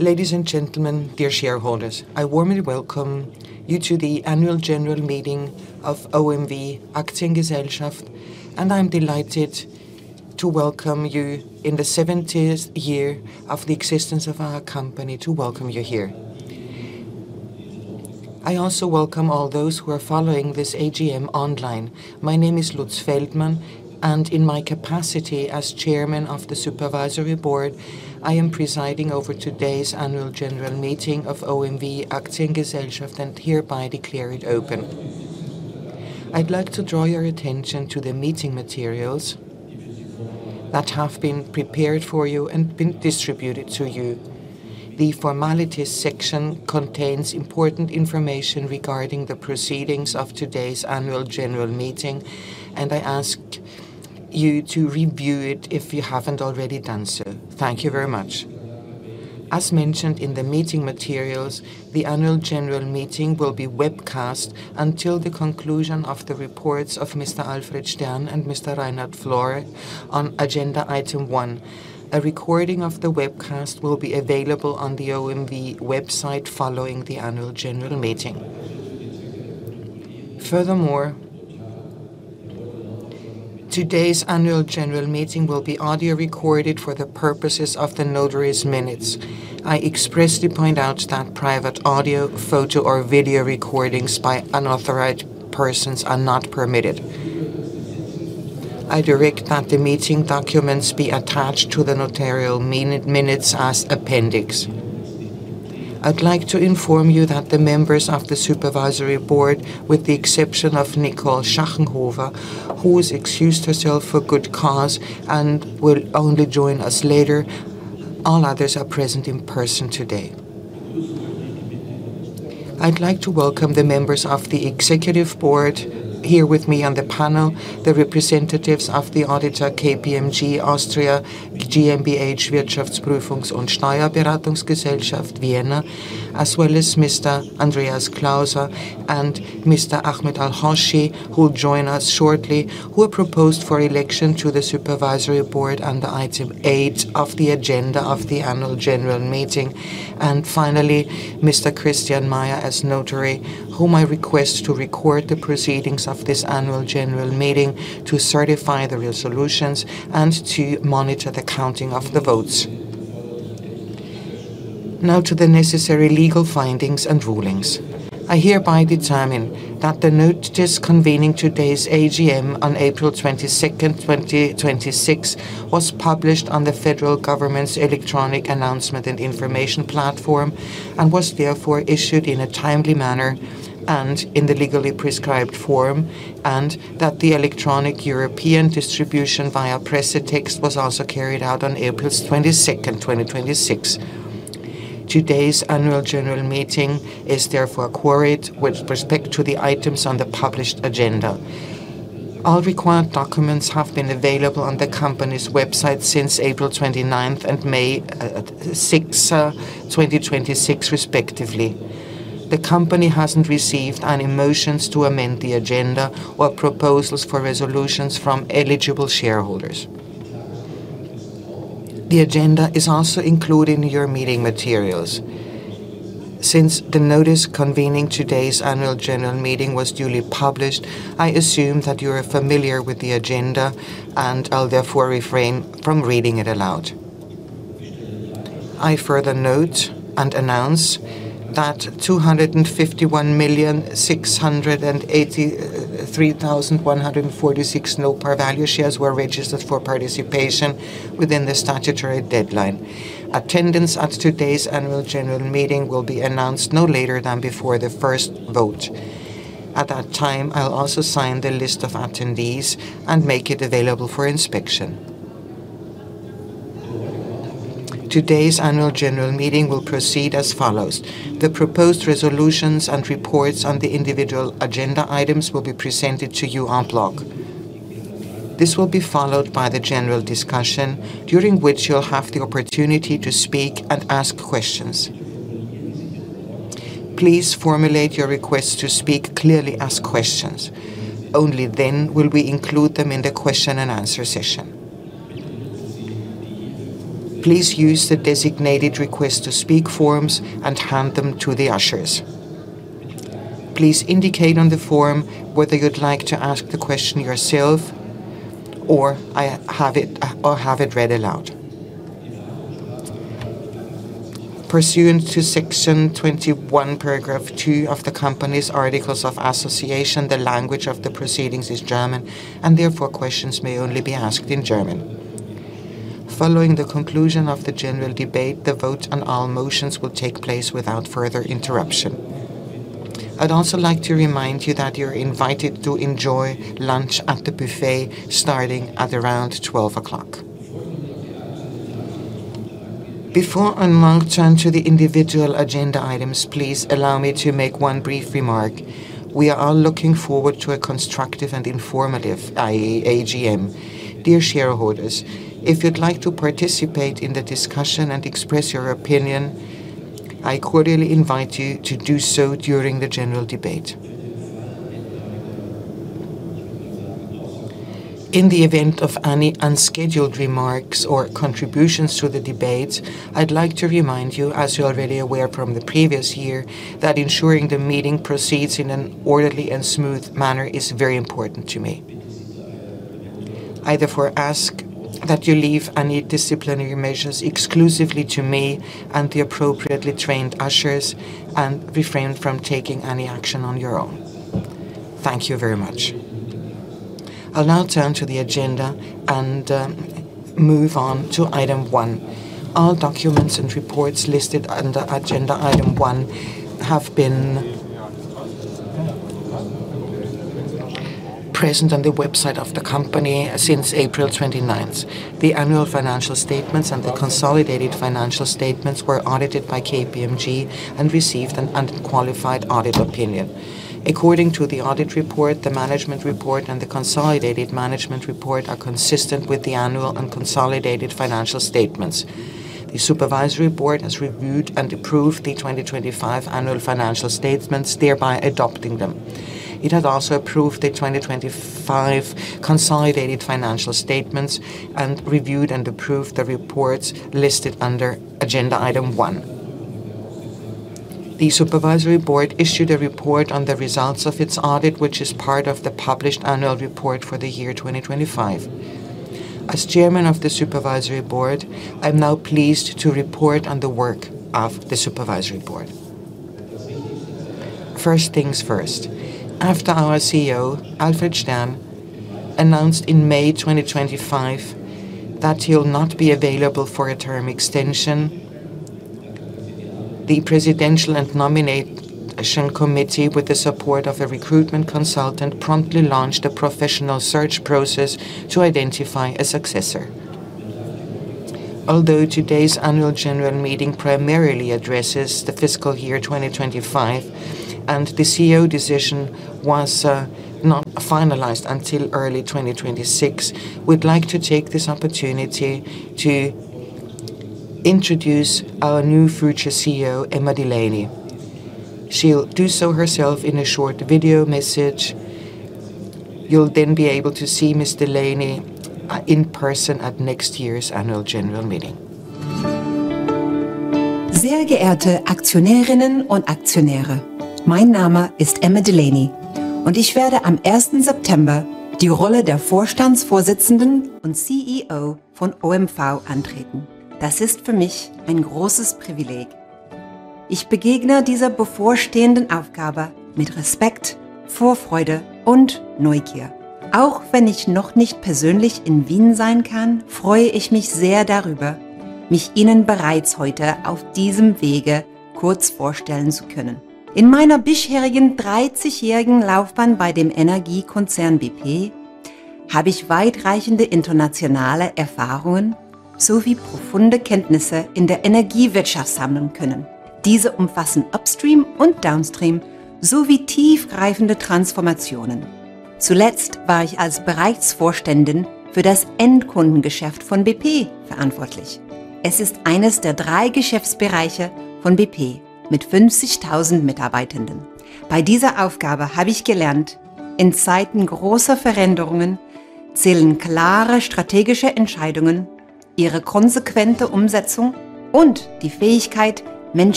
Ladies and gentlemen, dear shareholders, I warmly welcome you to the annual general meeting of OMV Aktiengesellschaft, and I'm delighted to welcome you in the 70th year of the existence of our company, to welcome you here. I also welcome all those who are following this AGM online. My name is Lutz Feldmann, and in my capacity as chairman of the Supervisory Board, I am presiding over today's annual general meeting of OMV Aktiengesellschaft and hereby declare it open. I'd like to draw your attention to the meeting materials that have been prepared for you and been distributed to you. The formalities section contains important information regarding the proceedings of today's annual general meeting, and I ask you to review it if you haven't already done so. Thank you very much. As mentioned in the meeting materials, the annual general meeting will be webcast until the conclusion of the reports of Mr. Alfred Stern and Mr. Reinhard Florey on agenda item one. A recording of the webcast will be available on the OMV website following the annual general meeting. Today's annual general meeting will be audio-recorded for the purposes of the notary's minutes. I expressly point out that private audio, photo, or video recordings by unauthorized persons are not permitted. I direct that the meeting documents be attached to the notarial minutes as appendix. I'd like to inform you that the members of the supervisory board, with the exception of Nicole Schachenhofer, who has excused herself for good cause and will only join us later, all others are present in person today. I'd like to welcome the members of the executive board here with me on the panel, the representatives of the auditor, KPMG Austria GmbH Wirtschaftsprüfungs- und Steuerberatungsgesellschaft, Vienna, as well as Mr. Andreas Claus and Mr. Ahmed Al-Hajji, who will join us shortly, who are proposed for election to the supervisory board under item eight of the agenda of the annual general meeting. Finally, Mr. Christian Meyer as notary, whom I request to record the proceedings of this annual general meeting, to certify the resolutions, and to monitor the counting of the votes. Now to the necessary legal findings and rulings. I hereby determine that the notice convening today's AGM on April 22nd, 2026, was published on the federal government's electronic announcement and information platform and was therefore issued in a timely manner and in the legally prescribed form, and that the electronic European distribution via Pressetext was also carried out on April 22nd, 2026. Today's annual general meeting is therefore quorate with respect to the items on the published agenda. All required documents have been available on the company's website since April 29th and May 6th, 2026, respectively. The company hasn't received any motions to amend the agenda or proposals for resolutions from eligible shareholders. The agenda is also included in your meeting materials. Since the notice convening today's annual general meeting was duly published, I assume that you are familiar with the agenda and I'll therefore refrain from reading it aloud. I further note and announce that 251,683,146 no-par value shares were registered for participation within the statutory deadline. Attendance at today's annual general meeting will be announced no later than before the first vote. At that time, I'll also sign the list of attendees and make it available for inspection. Today's annual general meeting will proceed as follows. The proposed resolutions and reports on the individual agenda items will be presented to you en bloc. This will be followed by the general discussion, during which you'll have the opportunity to speak and ask questions. Please formulate your request to speak clearly as questions. Only then will we include them in the question and answer session. Please use the designated request to speak forms and hand them to the ushers. Please indicate on the form whether you'd like to ask the question yourself or have it read aloud. Pursuant to Section 21, Paragraph two of the company's articles of association, the language of the proceedings is German, and therefore, questions may only be asked in German. Following the conclusion of the general debate, the vote on all motions will take place without further interruption. I'd also like to remind you that you're invited to enjoy lunch at the buffet starting at around 12 o'clock. Before I turn to the individual agenda items, please allow me to make one brief remark. We are all looking forward to a constructive and informative AGM. Dear shareholders, if you'd like to participate in the discussion and express your opinion, I cordially invite you to do so during the general debate. In the event of any unscheduled remarks or contributions to the debates, I'd like to remind you, as you are already aware from the previous year, that ensuring the meeting proceeds in an orderly and smooth manner is very important to me. I therefore ask that you leave any disciplinary measures exclusively to me and the appropriately trained ushers and refrain from taking any action on your own. Thank you very much. I'll now turn to the agenda and move on to item one. All documents and reports listed under agenda item one have been present on the website of the company since April 29th. The annual financial statements and the consolidated financial statements were audited by KPMG and received an unqualified audit opinion. According to the audit report, the management report, and the consolidated management report are consistent with the annual and consolidated financial statements. The supervisory board has reviewed and approved the 2025 annual financial statements, thereby adopting them. It has also approved the 2025 consolidated financial statements and reviewed and approved the reports listed under agenda item one. The supervisory board issued a report on the results of its audit, which is part of the published annual report for the year 2025. As chairman of the supervisory board, I'm now pleased to report on the work of the supervisory board. First things first. After our CEO, Alfred Stern, announced in May 2025 that he will not be available for a term extension, the presidential and nomination committee, with the support of a recruitment consultant, promptly launched a professional search process to identify a successor. Today's annual general meeting primarily addresses the fiscal year 2025 and the CEO decision was not finalized until early 2026, we'd like to take this opportunity to introduce our new future CEO, Emma Delaney. She'll do so herself in a short video message. You'll then be able to see Ms. Delaney in person at next year's annual general meeting.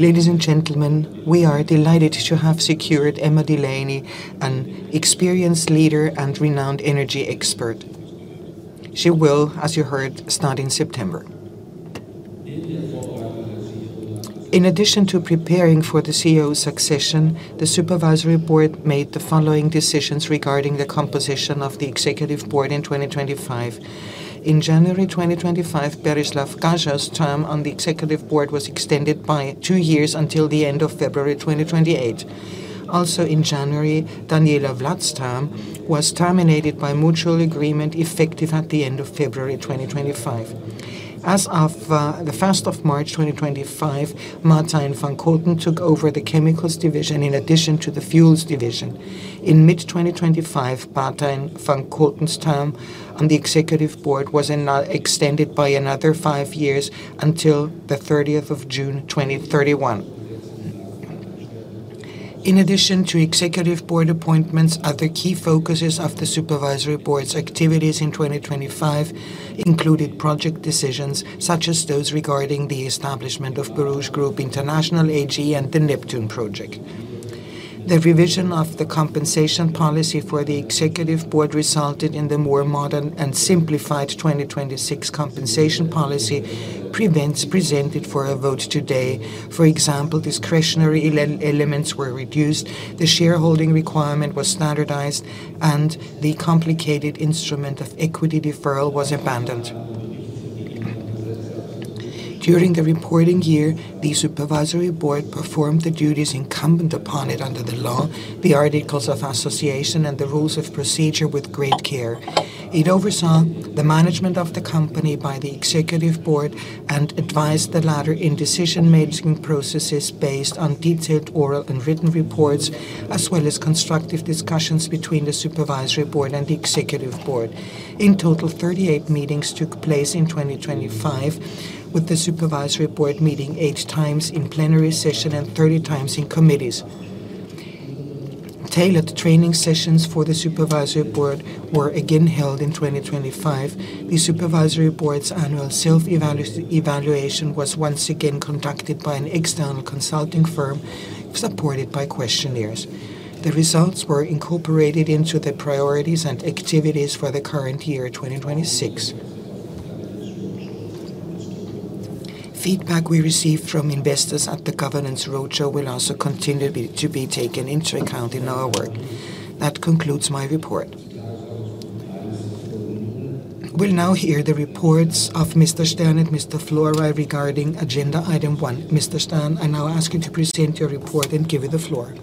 Ladies and gentlemen, we are delighted to have secured Emma Delaney, an experienced leader and renowned energy expert. She will, as you heard, start in September. In addition to preparing for the CEO succession, the supervisory board made the following decisions regarding the composition of the executive board in 2025. In January 2025, Berislav Gašo's term on the executive board was extended by two years until the end of February 2028. Also in January, Daniela Vlad's term was terminated by mutual agreement effective at the end of February 2025. As of the 1st of March 2025, Martijn van Koten took over the chemicals division in addition to the fuels division. In mid-2025, Martijn van Koten's term on the executive board was extended by another five years until the 30th of June 2031. In addition to executive board appointments, other key focuses of the supervisory board's activities in 2025 included project decisions such as those regarding the establishment of Borouge Group International AG and the Neptun project. The revision of the compensation policy for the executive board resulted in the more modern and simplified 2026 compensation policy presented for a vote today. For example, discretionary elements were reduced, the shareholding requirement was standardized, and the complicated instrument of equity deferral was abandoned. During the reporting year, the supervisory board performed the duties incumbent upon it under the law, the articles of association, and the rules of procedure with great care. It oversaw the management of the company by the Executive Board and advised the latter in decision-making processes based on detailed oral and written reports, as well as constructive discussions between the Supervisory Board and the Executive Board. In total, 38 meetings took place in 2025, with the Supervisory Board meeting eight times in plenary session and 30 times in committees. Tailored training sessions for the Supervisory Board were again held in 2025. The Supervisory Board's annual self-evaluation was once again conducted by an external consulting firm, supported by questionnaires. The results were incorporated into the priorities and activities for the current year, 2026. Feedback we received from investors at the governance roadshow will also continue to be taken into account in our work. That concludes my report. We'll now hear the reports of Mr. Stern and Mr. Florey regarding agenda item one. Mr. Stern, I now ask you to present your report and give you the floor.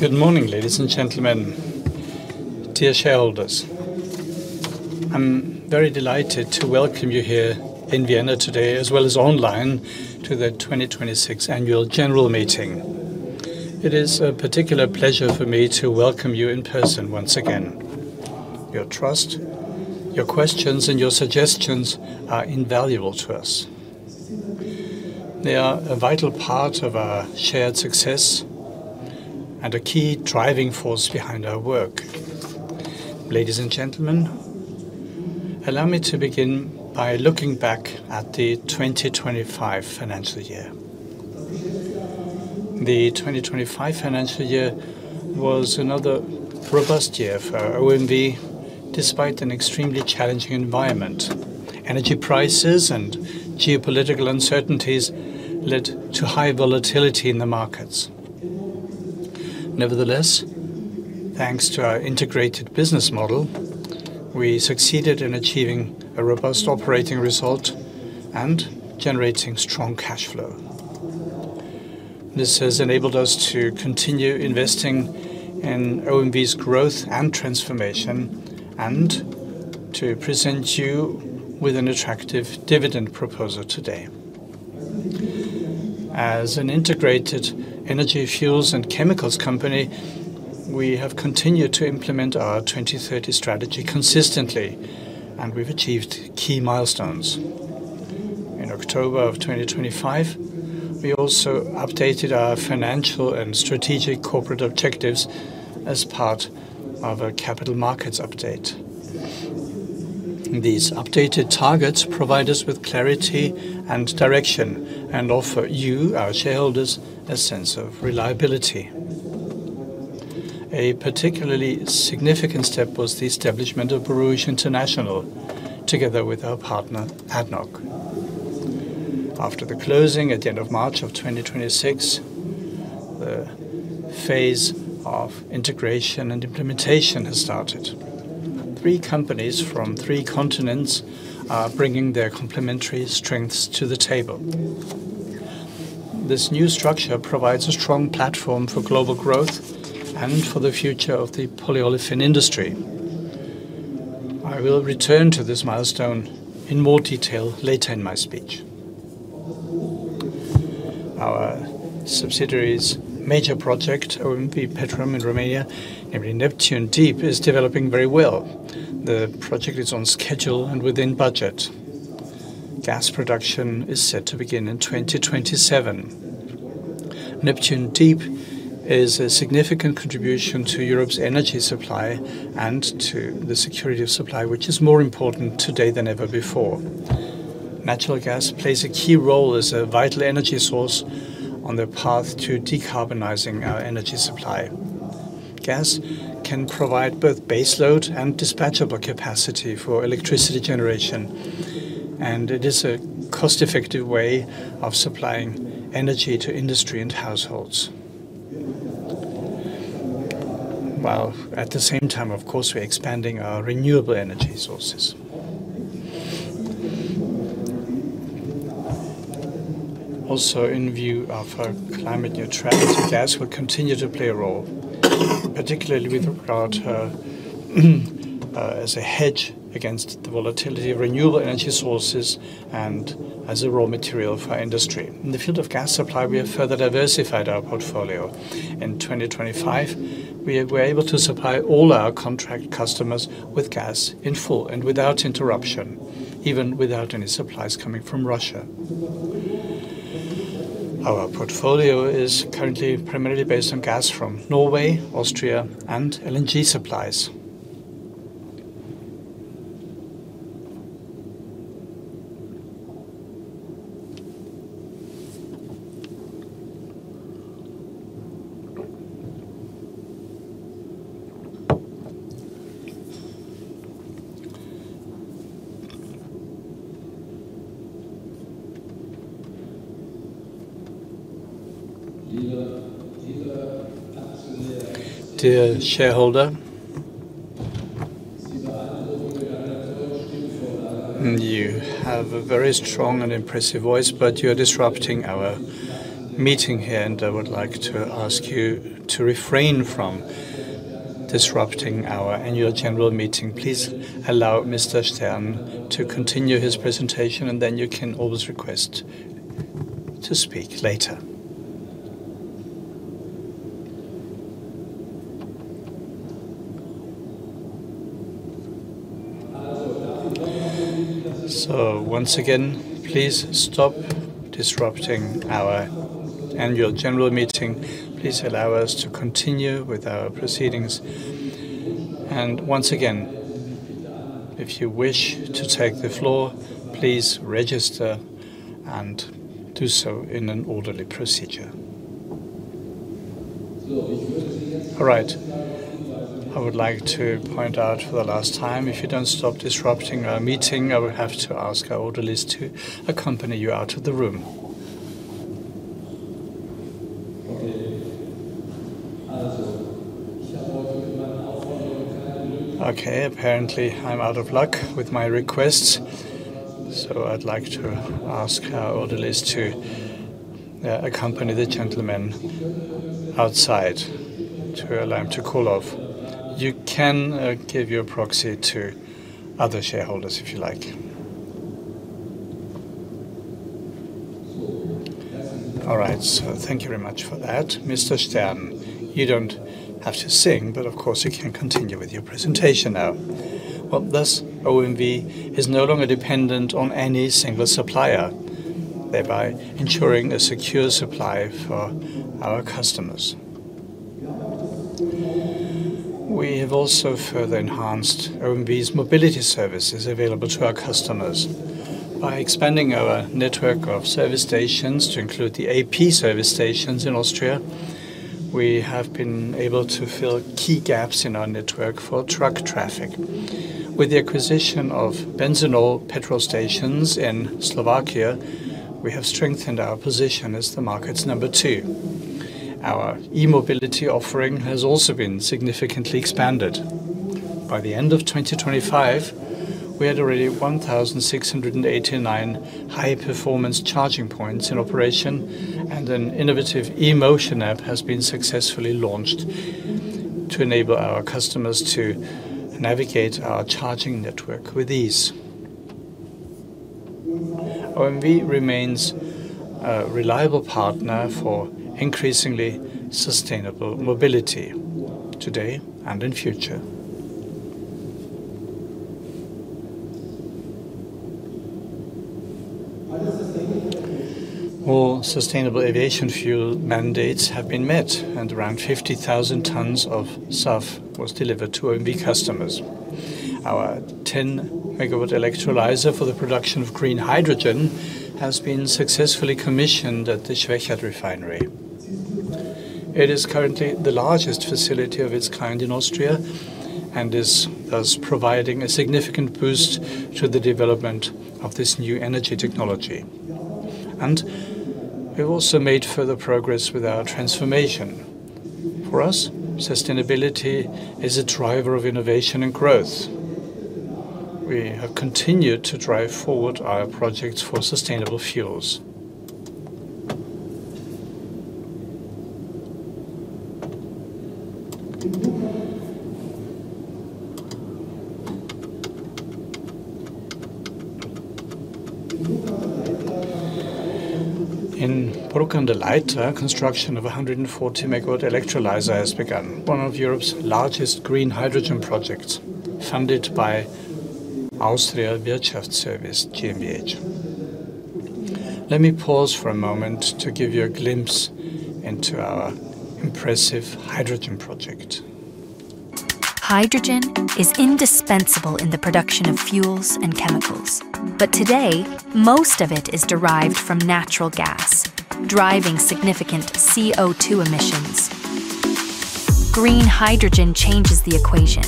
Good morning, ladies and gentlemen, dear shareholders. I'm very delighted to welcome you here in Vienna today, as well as online, to the 2026 annual general meeting. It is a particular pleasure for me to welcome you in person once again. Your trust, your questions, and your suggestions are invaluable to us. They are a vital part of our shared success and a key driving force behind our work. Ladies and gentlemen, allow me to begin by looking back at the 2025 financial year. The 2025 financial year was another robust year for OMV, despite an extremely challenging environment. Energy prices and geopolitical uncertainties led to high volatility in the markets. Nevertheless, thanks to our integrated business model, we succeeded in achieving a robust operating result and generating strong cash flow. This has enabled us to continue investing in OMV's growth and transformation and to present you with an attractive dividend proposal today. As an integrated energy fuels and chemicals company, we have continued to implement our Strategy 2030 consistently, and we've achieved key milestones. In October of 2025, we also updated our financial and strategic corporate objectives as part of a capital markets update. These updated targets provide us with clarity and direction and offer you, our shareholders, a sense of reliability. A particularly significant step was the establishment of Borouge International, together with our partner, ADNOC. After the closing at the end of March of 2026, the phase of integration and implementation has started. Three companies from three continents are bringing their complementary strengths to the table. This new structure provides a strong platform for global growth and for the future of the polyolefin industry. I will return to this milestone in more detail later in my speech. Our subsidiary's major project, OMV Petrom in Romania, named Neptun Deep, is developing very well. The project is on schedule and within budget. Gas production is set to begin in 2027. Neptun Deep is a significant contribution to Europe's energy supply and to the security of supply, which is more important today than ever before. Natural gas plays a key role as a vital energy source on the path to decarbonizing our energy supply. Gas can provide both base load and dispatchable capacity for electricity generation, and it is a cost-effective way of supplying energy to industry and households. While at the same time, of course, we're expanding our renewable energy sources. In view of our climate neutrality, gas will continue to play a role, particularly with regard as a hedge against the volatility of renewable energy sources and as a raw material for our industry. In the field of gas supply, we have further diversified our portfolio. In 2025, we were able to supply all our contract customers with gas in full and without interruption, even without any supplies coming from Russia. Our portfolio is currently primarily based on gas from Norway, Austria, and LNG supplies. Dear shareholder, you have a very strong and impressive voice, but you're disrupting our meeting here, and I would like to ask you to refrain from disrupting our annual general meeting. Please allow Mr. Stern to continue his presentation, and then you can always request to speak later. Once again, please stop disrupting our annual general meeting. Please allow us to continue with our proceedings. Once again, if you wish to take the floor, please register and do so in an orderly procedure. All right. I would like to point out for the last time, if you don't stop disrupting our meeting, I will have to ask our orderlies to accompany you out of the room. Okay, apparently, I'm out of luck with my request, so I'd like to ask our orderlies to accompany the gentleman outside to allow him to cool off. You can give your proxy to other shareholders if you like. All right, thank you very much for that. Mr. Stern, you don't have to sing. Of course, you can continue with your presentation now. Well, thus OMV is no longer dependent on any single supplier, thereby ensuring a secure supply for our customers. We have also further enhanced OMV's mobility services available to our customers. By expanding our network of service stations to include the AP service stations in Austria, we have been able to fill key gaps in our network for truck traffic. With the acquisition of Benzinol petrol stations in Slovakia, we have strengthened our position as the market's number two. Our e-mobility offering has also been significantly expanded. By the end of 2025, we had already 1,689 high-performance charging points in operation, and an innovative eMotion app has been successfully launched to enable our customers to navigate our charging network with ease. OMV remains a reliable partner for increasingly sustainable mobility today and in future. All sustainable aviation fuel mandates have been met, and around 50,000 tons of SAF was delivered to OMV customers. Our 10-megawatt electrolyzer for the production of green hydrogen has been successfully commissioned at the Schwechat Refinery. It is currently the largest facility of its kind in Austria and is thus providing a significant boost to the development of this new energy technology. We've also made further progress with our transformation. For us, sustainability is a driver of innovation and growth. We have continued to drive forward our projects for sustainable fuels. In Bruck an der Leitha, construction of 140-megawatt electrolyzer has begun. One of Europe's largest green hydrogen projects, funded by Austria Wirtschaftsservice GmbH. Let me pause for a moment to give you a glimpse into our impressive hydrogen project. Hydrogen is indispensable in the production of fuels and chemicals. Today, most of it is derived from natural gas, driving significant CO2 emissions. Green hydrogen changes the equation.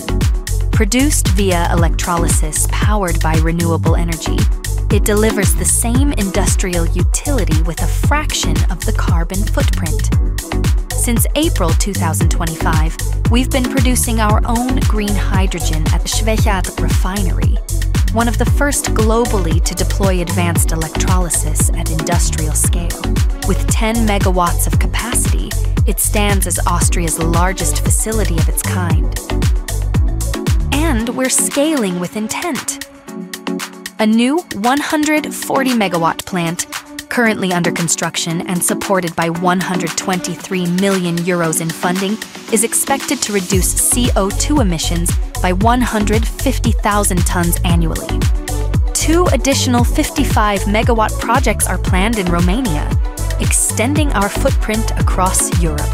Produced via electrolysis powered by renewable energy, it delivers the same industrial utility with a fraction of the carbon footprint. Since April 2025, we've been producing our own green hydrogen at the Schwechat Refinery, one of the first globally to deploy advanced electrolysis at industrial scale. With 10 MW of capacity, it stands as Austria's largest facility of its kind. We're scaling with intent. A new 140 MW plant, currently under construction and supported by 123 million euros in funding, is expected to reduce CO2 emissions by 150,000 tons annually. Two additional 55-megawatt projects are planned in Romania, extending our footprint across Europe.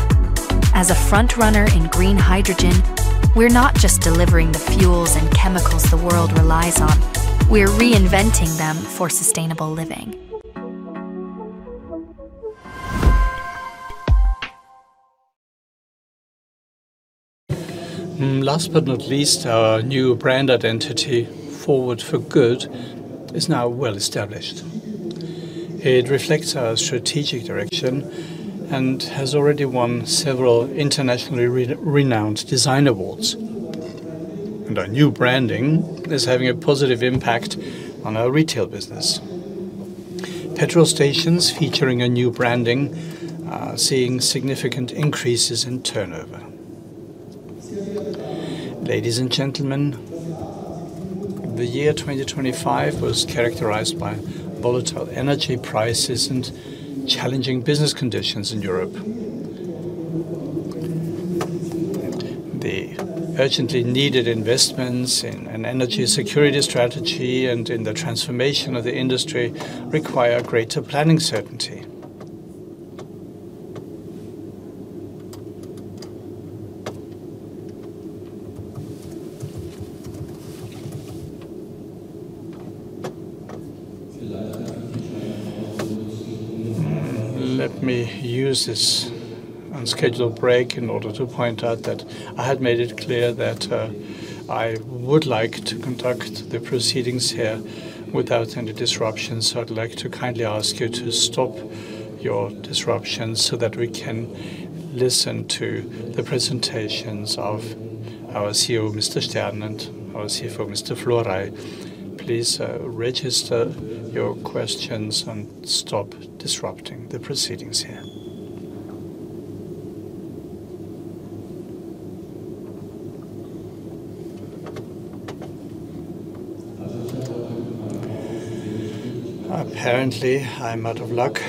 As a frontrunner in green hydrogen, we're not just delivering the fuels and chemicals the world relies on, we're reinventing them for sustainable living. Last but not least, our new brand identity, Forward for Good, is now well-established. It reflects our strategic direction and has already won several internationally renowned design awards, and our new branding is having a positive impact on our retail business. Petrol stations featuring our new branding are seeing significant increases in turnover. Ladies and gentlemen, the year 2025 was characterized by volatile energy prices and challenging business conditions in Europe. The urgently needed investments in an energy security strategy and in the transformation of the industry require greater planning certainty. Let me use this unscheduled break in order to point out that I had made it clear that I would like to conduct the proceedings here without any disruption. I'd like to kindly ask you to stop your disruptions so that we can listen to the presentations of our CEO, Mr. Stern, and our CFO, Mr. Florey. Please register your questions and stop disrupting the proceedings here. Apparently, I'm out of luck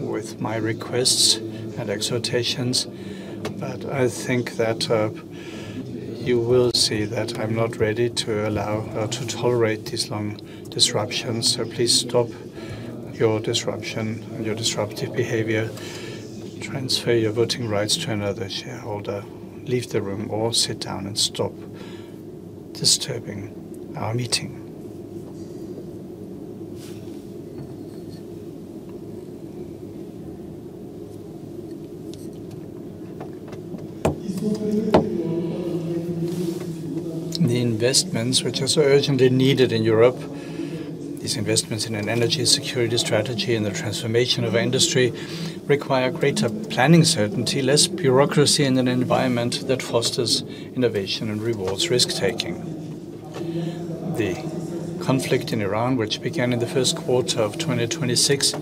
with my requests and exhortations. I think that you will see that I'm not ready to tolerate these long disruptions. Please stop your disruption and your disruptive behavior. Transfer your voting rights to another shareholder, leave the room, or sit down and stop disturbing our meeting. The investments which are so urgently needed in Europe, these investments in an energy security strategy and the transformation of industry, require greater planning certainty, less bureaucracy, and an environment that fosters innovation and rewards risk-taking. The conflict in Iran, which began in the first quarter of 2026,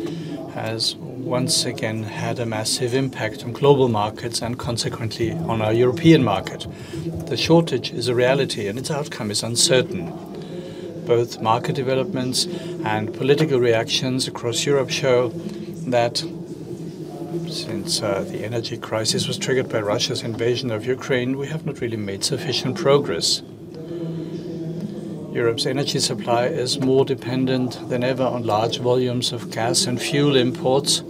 has once again had a massive impact on global markets and consequently on our European market. The shortage is a reality, and its outcome is uncertain. Both market developments and political reactions across Europe show that since the energy crisis was triggered by Russia's invasion of Ukraine, we have not really made sufficient progress. Europe's energy supply is more dependent than ever on large volumes of gas and fuel imports.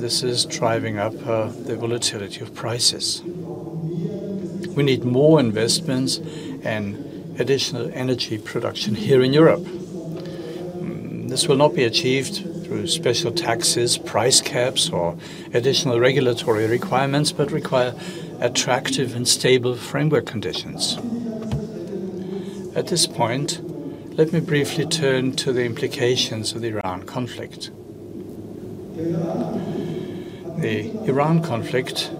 This is driving up the volatility of prices. We need more investments and additional energy production here in Europe. This will not be achieved through special taxes, price caps, or additional regulatory requirements, but require attractive and stable framework conditions. At this point, let me briefly turn to the implications of the Iran conflict. The Iran conflict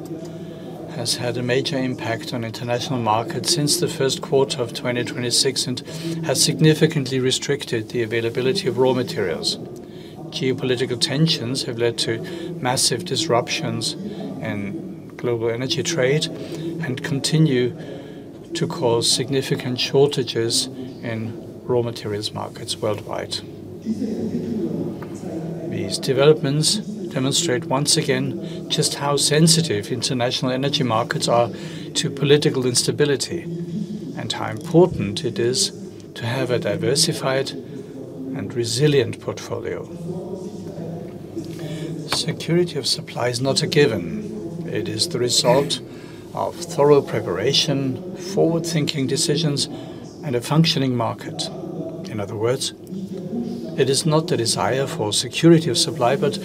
has had a major impact on international markets since the first quarter of 2026 and has significantly restricted the availability of raw materials. Geopolitical tensions have led to massive disruptions in global energy trade and continue to cause significant shortages in raw materials markets worldwide. These developments demonstrate once again just how sensitive international energy markets are to political instability and how important it is to have a diversified and resilient portfolio. Security of supply is not a given. It is the result of thorough preparation, forward-thinking decisions, and a functioning market. In other words, it is not the desire for security of supply, but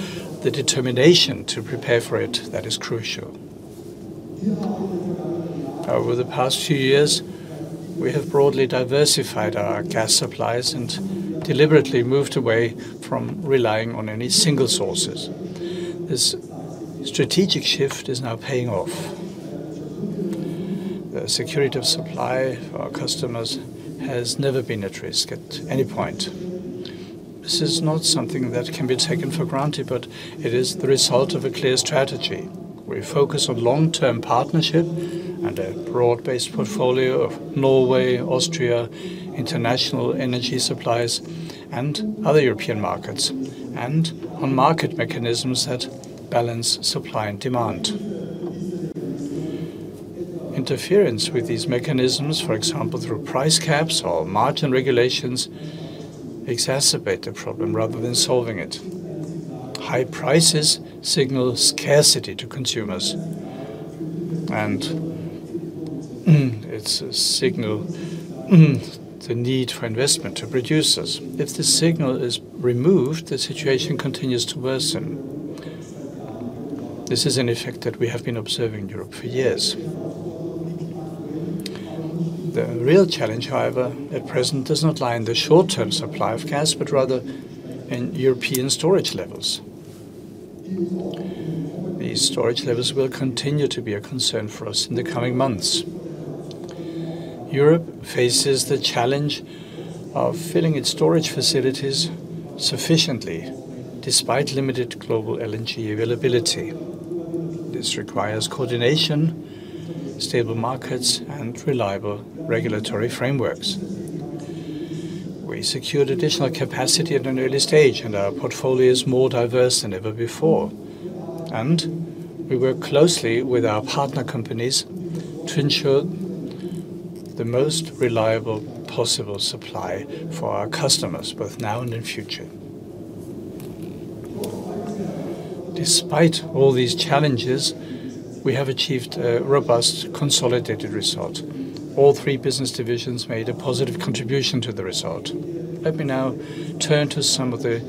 the determination to prepare for it that is crucial. Over the past few years, we have broadly diversified our gas supplies and deliberately moved away from relying on any single sources. This strategic shift is now paying off. The security of supply for our customers has never been at risk at any point. This is not something that can be taken for granted, but it is the result of a clear strategy, where we focus on long-term partnership and a broad-based portfolio of Norway, Austria, international energy supplies, and other European markets, and on market mechanisms that balance supply and demand. Interference with these mechanisms, for example, through price caps or margin regulations, exacerbate the problem rather than solving it. High prices signal scarcity to consumers, and it signals the need for investment to producers. If this signal is removed, the situation continues to worsen. This is an effect that we have been observing in Europe for years. The real challenge, however, at present does not lie in the short-term supply of gas, but rather in European storage levels. These storage levels will continue to be a concern for us in the coming months. Europe faces the challenge of filling its storage facilities sufficiently despite limited global LNG availability. This requires coordination, stable markets, and reliable regulatory frameworks. We secured additional capacity at an early stage, and our portfolio is more diverse than ever before. We work closely with our partner companies to ensure the most reliable possible supply for our customers, both now and in future. Despite all these challenges, we have achieved a robust, consolidated result. All three business divisions made a positive contribution to the result. Let me now turn to some of the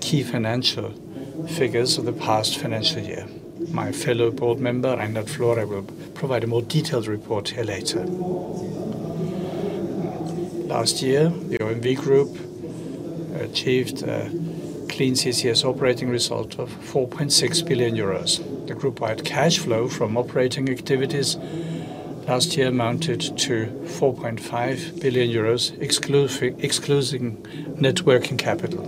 key financial figures of the past financial year. My fellow board member, Reinhard Florey, will provide a more detailed report here later. Last year, the OMV Group achieved a Clean CCS Operating Result of 4.6 billion euros. The group-wide cash flow from operating activities last year amounted to 4.5 billion euros, excluding net working capital,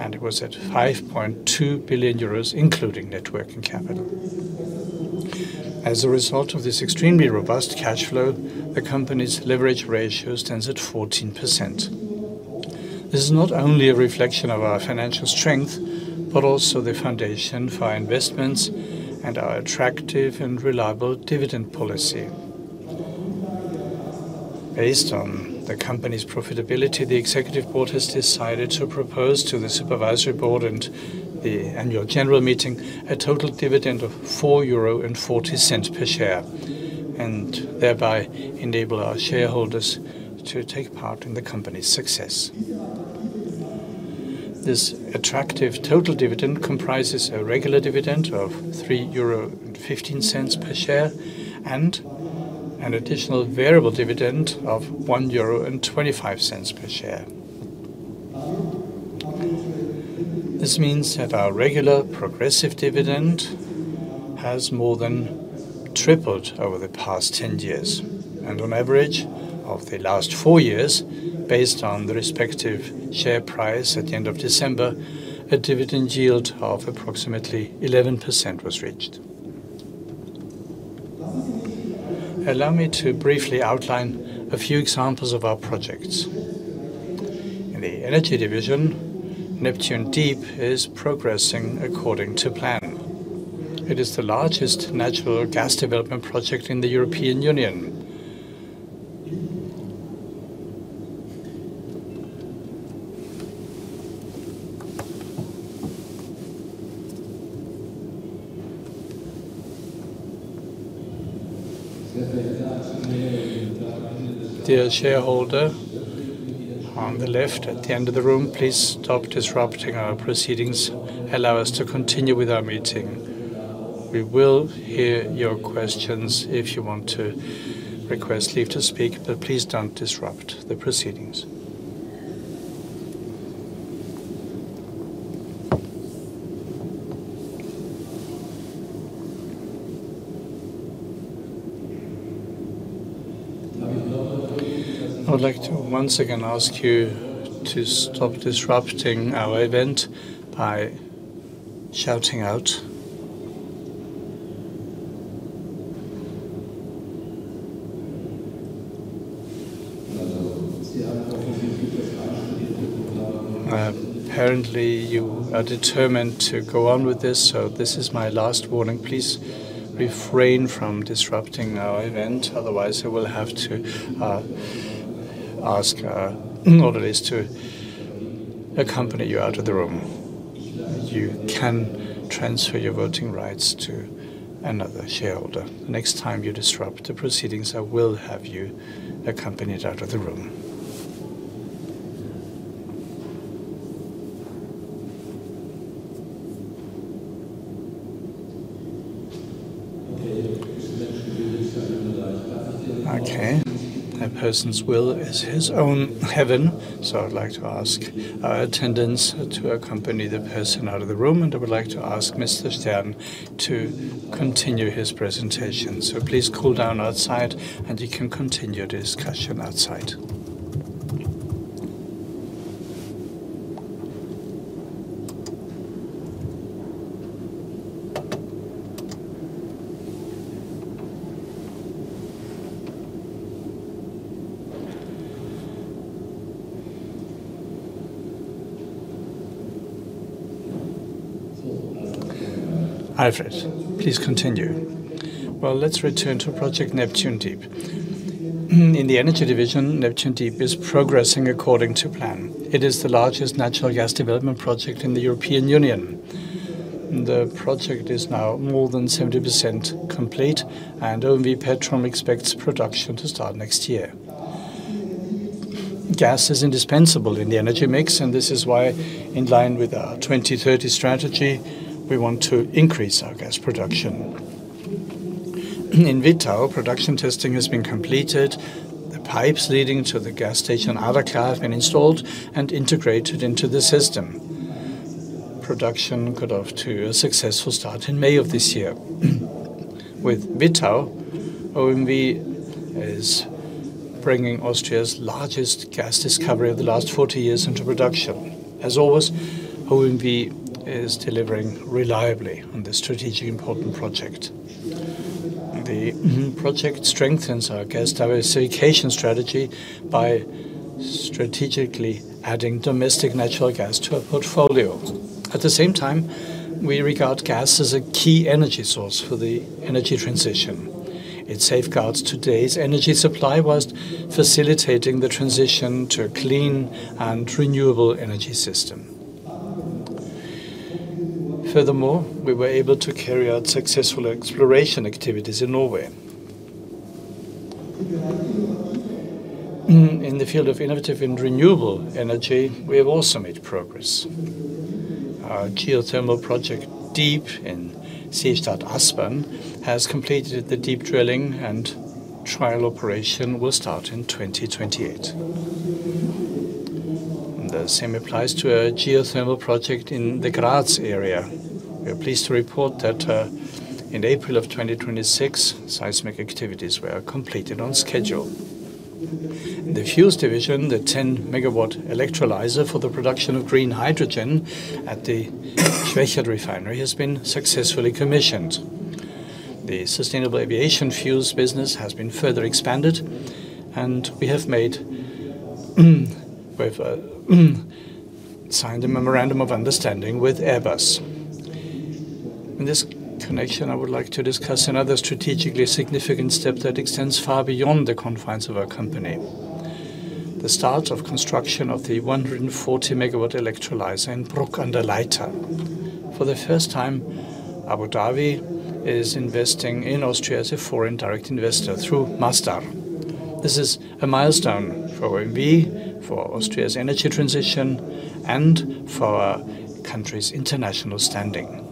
and it was at 5.2 billion euros, including net working capital. As a result of this extremely robust cash flow, the company's leverage ratio stands at 14%. This is not only a reflection of our financial strength, but also the foundation for our investments and our attractive and reliable dividend policy. Based on the company's profitability, the executive board has decided to propose to the supervisory board and the annual general meeting a total dividend of 4.40 euro per share, and thereby enable our shareholders to take part in the company's success. This attractive total dividend comprises a regular dividend of 3.15 euro per share and an additional variable dividend of 1.25 euro per share. This means that our regular progressive dividend has more than tripled over the past 10 years. On average of the last four years, based on the respective share price at the end of December, a dividend yield of approximately 11% was reached. Allow me to briefly outline a few examples of our projects. In the energy division, Neptun Deep is progressing according to plan. It is the largest natural gas development project in the European Union. Dear shareholder on the left at the end of the room, please stop disrupting our proceedings. Allow us to continue with our meeting. We will hear your questions if you want to request leave to speak, but please don't disrupt the proceedings. I would like to once again ask you to stop disrupting our event by shouting out. Apparently, you are determined to go on with this, so this is my last warning. Please refrain from disrupting our event, otherwise, I will have to ask our orderlies to accompany you out of the room. You can transfer your voting rights to another shareholder. The next time you disrupt the proceedings, I will have you accompanied out of the room. Okay. A person's will is his own heaven. I would like to ask our attendants to accompany the person out of the room, and I would like to ask Mr. Stern to continue his presentation. Please cool down outside and you can continue the discussion outside. Alfred, please continue. Let's return to project Neptun Deep. In the energy division, Neptun Deep is progressing according to plan. It is the largest natural gas development project in the European Union. The project is now more than 70% complete, and OMV Petrom expects production to start next year. Gas is indispensable in the energy mix. This is why, in line with our Strategy 2030, we want to increase our gas production. In Wittau, production testing has been completed. The pipes leading to the gas station Aderklaa have been installed and integrated into the system. Production got off to a successful start in May of this year. With Wittau, OMV is bringing Austria's largest gas discovery of the last 40 years into production. As always, OMV is delivering reliably on this strategically important project. The project strengthens our gas diversification strategy by strategically adding domestic natural gas to our portfolio. At the same time, we regard gas as a key energy source for the energy transition. It safeguards today's energy supply whilst facilitating the transition to a clean and renewable energy system. Furthermore, we were able to carry out successful exploration activities in Norway. In the field of innovative and renewable energy, we have also made progress. Our geothermal project, Deep in Seestadt Aspern, has completed the deep drilling, and trial operation will start in 2028. The same applies to a geothermal project in the Graz area. We are pleased to report that in April of 2026, seismic activities were completed on schedule. In the fuels division, the 10-megawatt electrolyzer for the production of green hydrogen at the Schwechat Refinery has been successfully commissioned. The sustainable aviation fuels business has been further expanded. We have signed a memorandum of understanding with Airbus. In this connection, I would like to discuss another strategically significant step that extends far beyond the confines of our company, the start of construction of the 140-megawatt electrolyzer in Bruck an der Leitha. For the first time, Abu Dhabi is investing in Austria as a foreign direct investor through Masdar. This is a milestone for OMV, for Austria's energy transition, and for our country's international standing.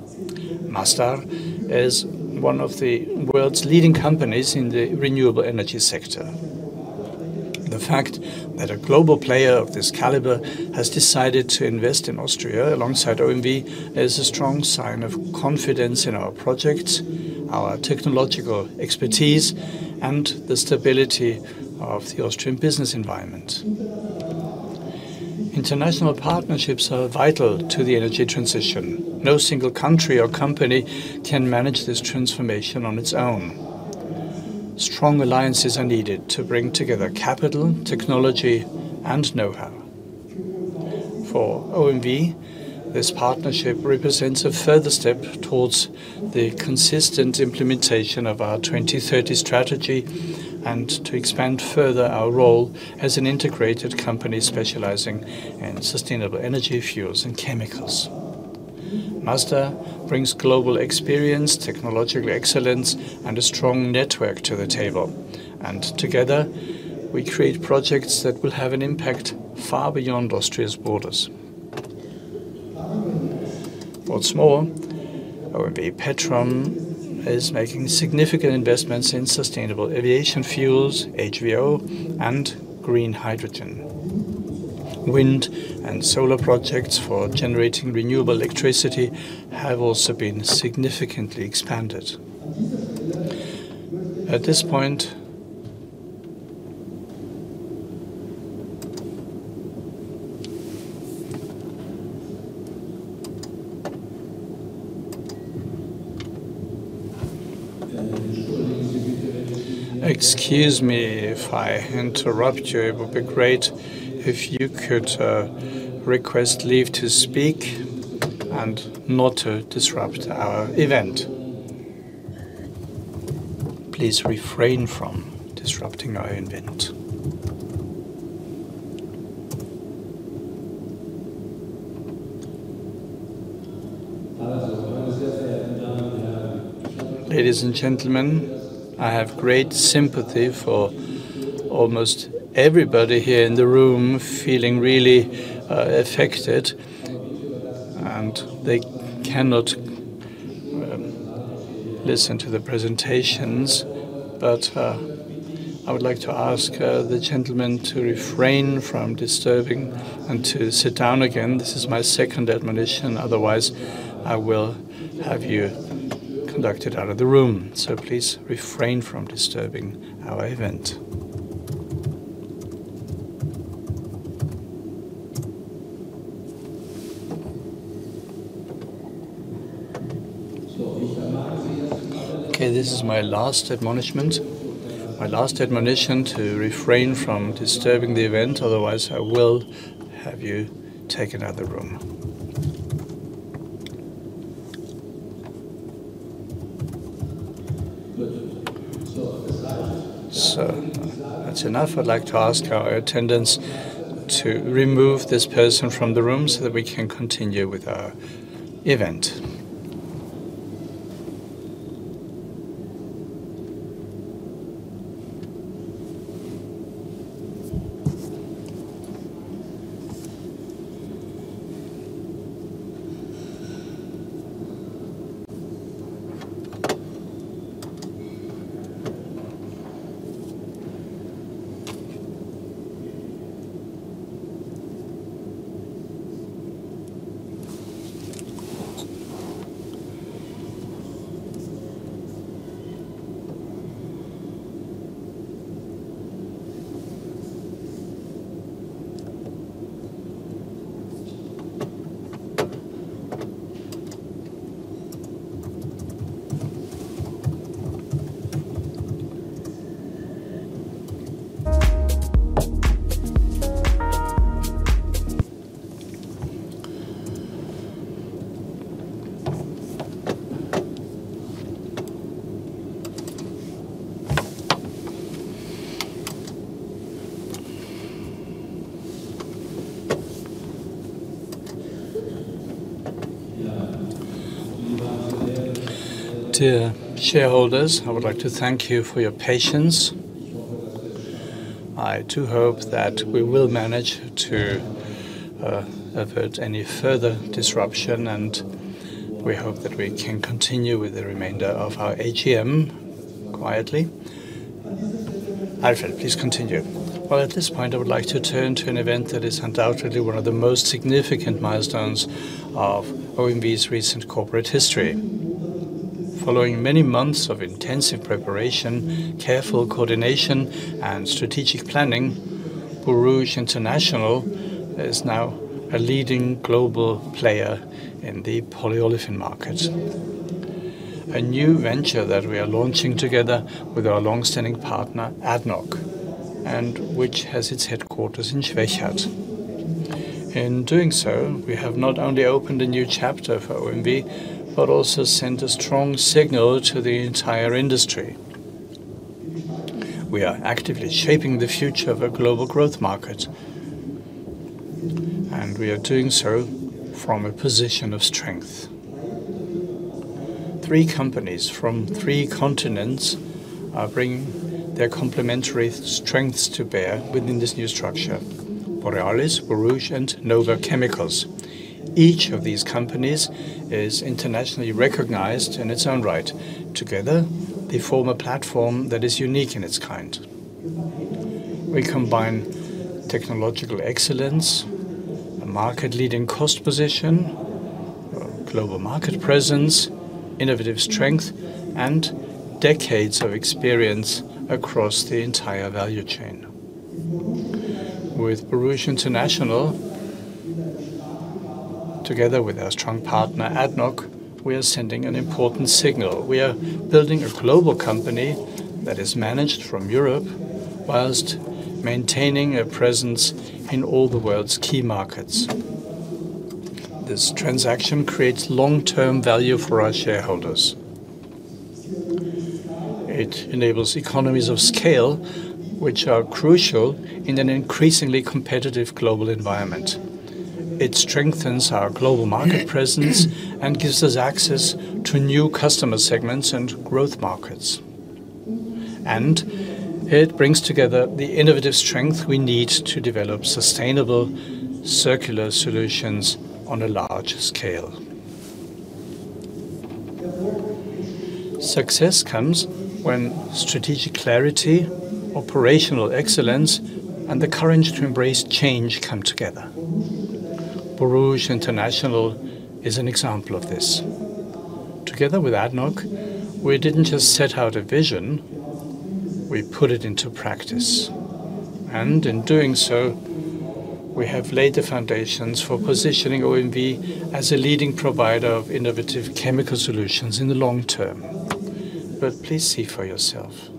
Masdar is one of the world's leading companies in the renewable energy sector. The fact that a global player of this caliber has decided to invest in Austria alongside OMV is a strong sign of confidence in our projects, our technological expertise, and the stability of the Austrian business environment. International partnerships are vital to the energy transition. No single country or company can manage this transformation on its own. Strong alliances are needed to bring together capital, technology, and know-how. For OMV, this partnership represents a further step towards the consistent implementation of our 2030 Strategy and to expand further our role as an integrated company specializing in sustainable energy fuels and chemicals. Masdar brings global experience, technological excellence, and a strong network to the table, and together we create projects that will have an impact far beyond Austria's borders. What's more, OMV Petrom is making significant investments in sustainable aviation fuels, HVO, and green hydrogen. Wind and solar projects for generating renewable electricity have also been significantly expanded. At this point Excuse me, if I interrupt you, it would be great if you could request leave to speak and not to disrupt our event. Please refrain from disrupting our event. Ladies and gentlemen, I have great sympathy for almost everybody here in the room feeling really affected, and they cannot listen to the presentations. I would like to ask the gentleman to refrain from disturbing and to sit down again. This is my second admonition. Otherwise, I will have you conducted out of the room. Please refrain from disturbing our event. Okay, this is my last admonishment. My last admonition to refrain from disturbing the event, otherwise I will have you taken out of the room. That's enough. I'd like to ask our attendants to remove this person from the room so that we can continue with our event. Dear shareholders, I would like to thank you for your patience. I too hope that we will manage to avert any further disruption, and we hope that we can continue with the remainder of our AGM quietly. Alfred, please continue. Well, at this point, I would like to turn to an event that is undoubtedly one of the most significant milestones of OMV's recent corporate history. Following many months of intensive preparation, careful coordination, and strategic planning, Borouge International is now a leading global player in the polyolefin market. A new venture that we are launching together with our long-standing partner, ADNOC, and which has its headquarters in Schwechat. In doing so, we have not only opened a new chapter for OMV, but also sent a strong signal to the entire industry. We are actively shaping the future of a global growth market, and we are doing so from a position of strength. Three companies from three continents are bringing their complementary strengths to bear within this new structure, Borealis, Borouge, and NOVA Chemicals. Each of these companies is internationally recognized in its own right. Together, they form a platform that is unique in its kind. We combine technological excellence, a market-leading cost position, a global market presence, innovative strength, and decades of experience across the entire value chain. With Borouge International, together with our strong partner, ADNOC, we are sending an important signal. We are building a global company that is managed from Europe whilst maintaining a presence in all the world's key markets. This transaction creates long-term value for our shareholders. It enables economies of scale, which are crucial in an increasingly competitive global environment. It strengthens our global market presence and gives us access to new customer segments and growth markets. It brings together the innovative strength we need to develop sustainable circular solutions on a large scale. Success comes when strategic clarity, operational excellence, and the courage to embrace change come together. Borouge International is an example of this. Together with ADNOC, we didn't just set out a vision, we put it into practice. In doing so, we have laid the foundations for positioning OMV as a leading provider of innovative chemical solutions in the long term. Please see for yourself.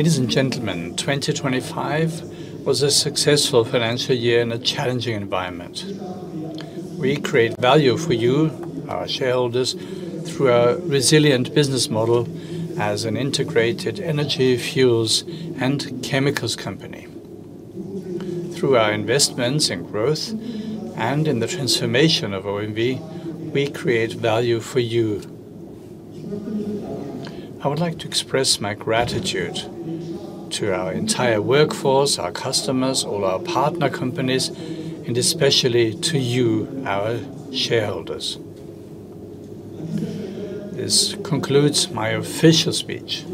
Ladies and gentlemen, 2025 was a successful financial year in a challenging environment. We create value for you, our shareholders, through our resilient business model as an integrated energy, fuels, and chemicals company. Through our investments in growth and in the transformation of OMV, we create value for you. I would like to express my gratitude to our entire workforce, our customers, all our partner companies, and especially to you, our shareholders. This concludes my official speech.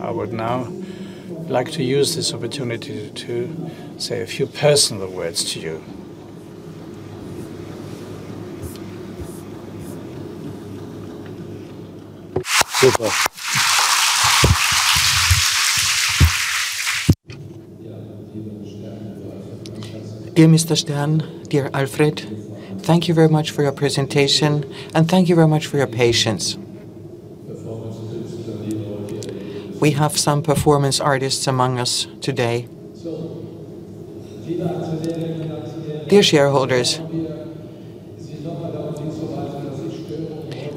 I would now like to use this opportunity to say a few personal words to you. Dear Mr. Stern, dear Alfred, thank you very much for your presentation and thank you very much for your patience. We have some performance artists among us today. Dear shareholders,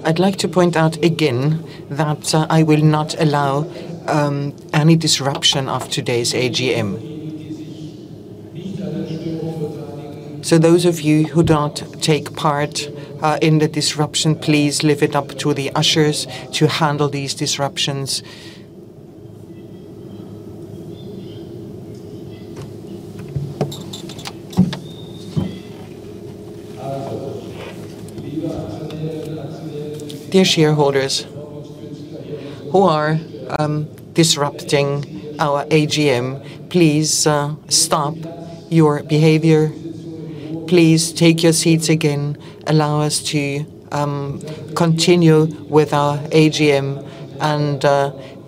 I'd like to point out again that I will not allow any disruption of today's AGM. Those of you who do not take part in the disruption, please leave it up to the ushers to handle these disruptions. Dear shareholders who are disrupting our AGM, please stop your behavior. Please take your seats again, allow us to continue with our AGM, and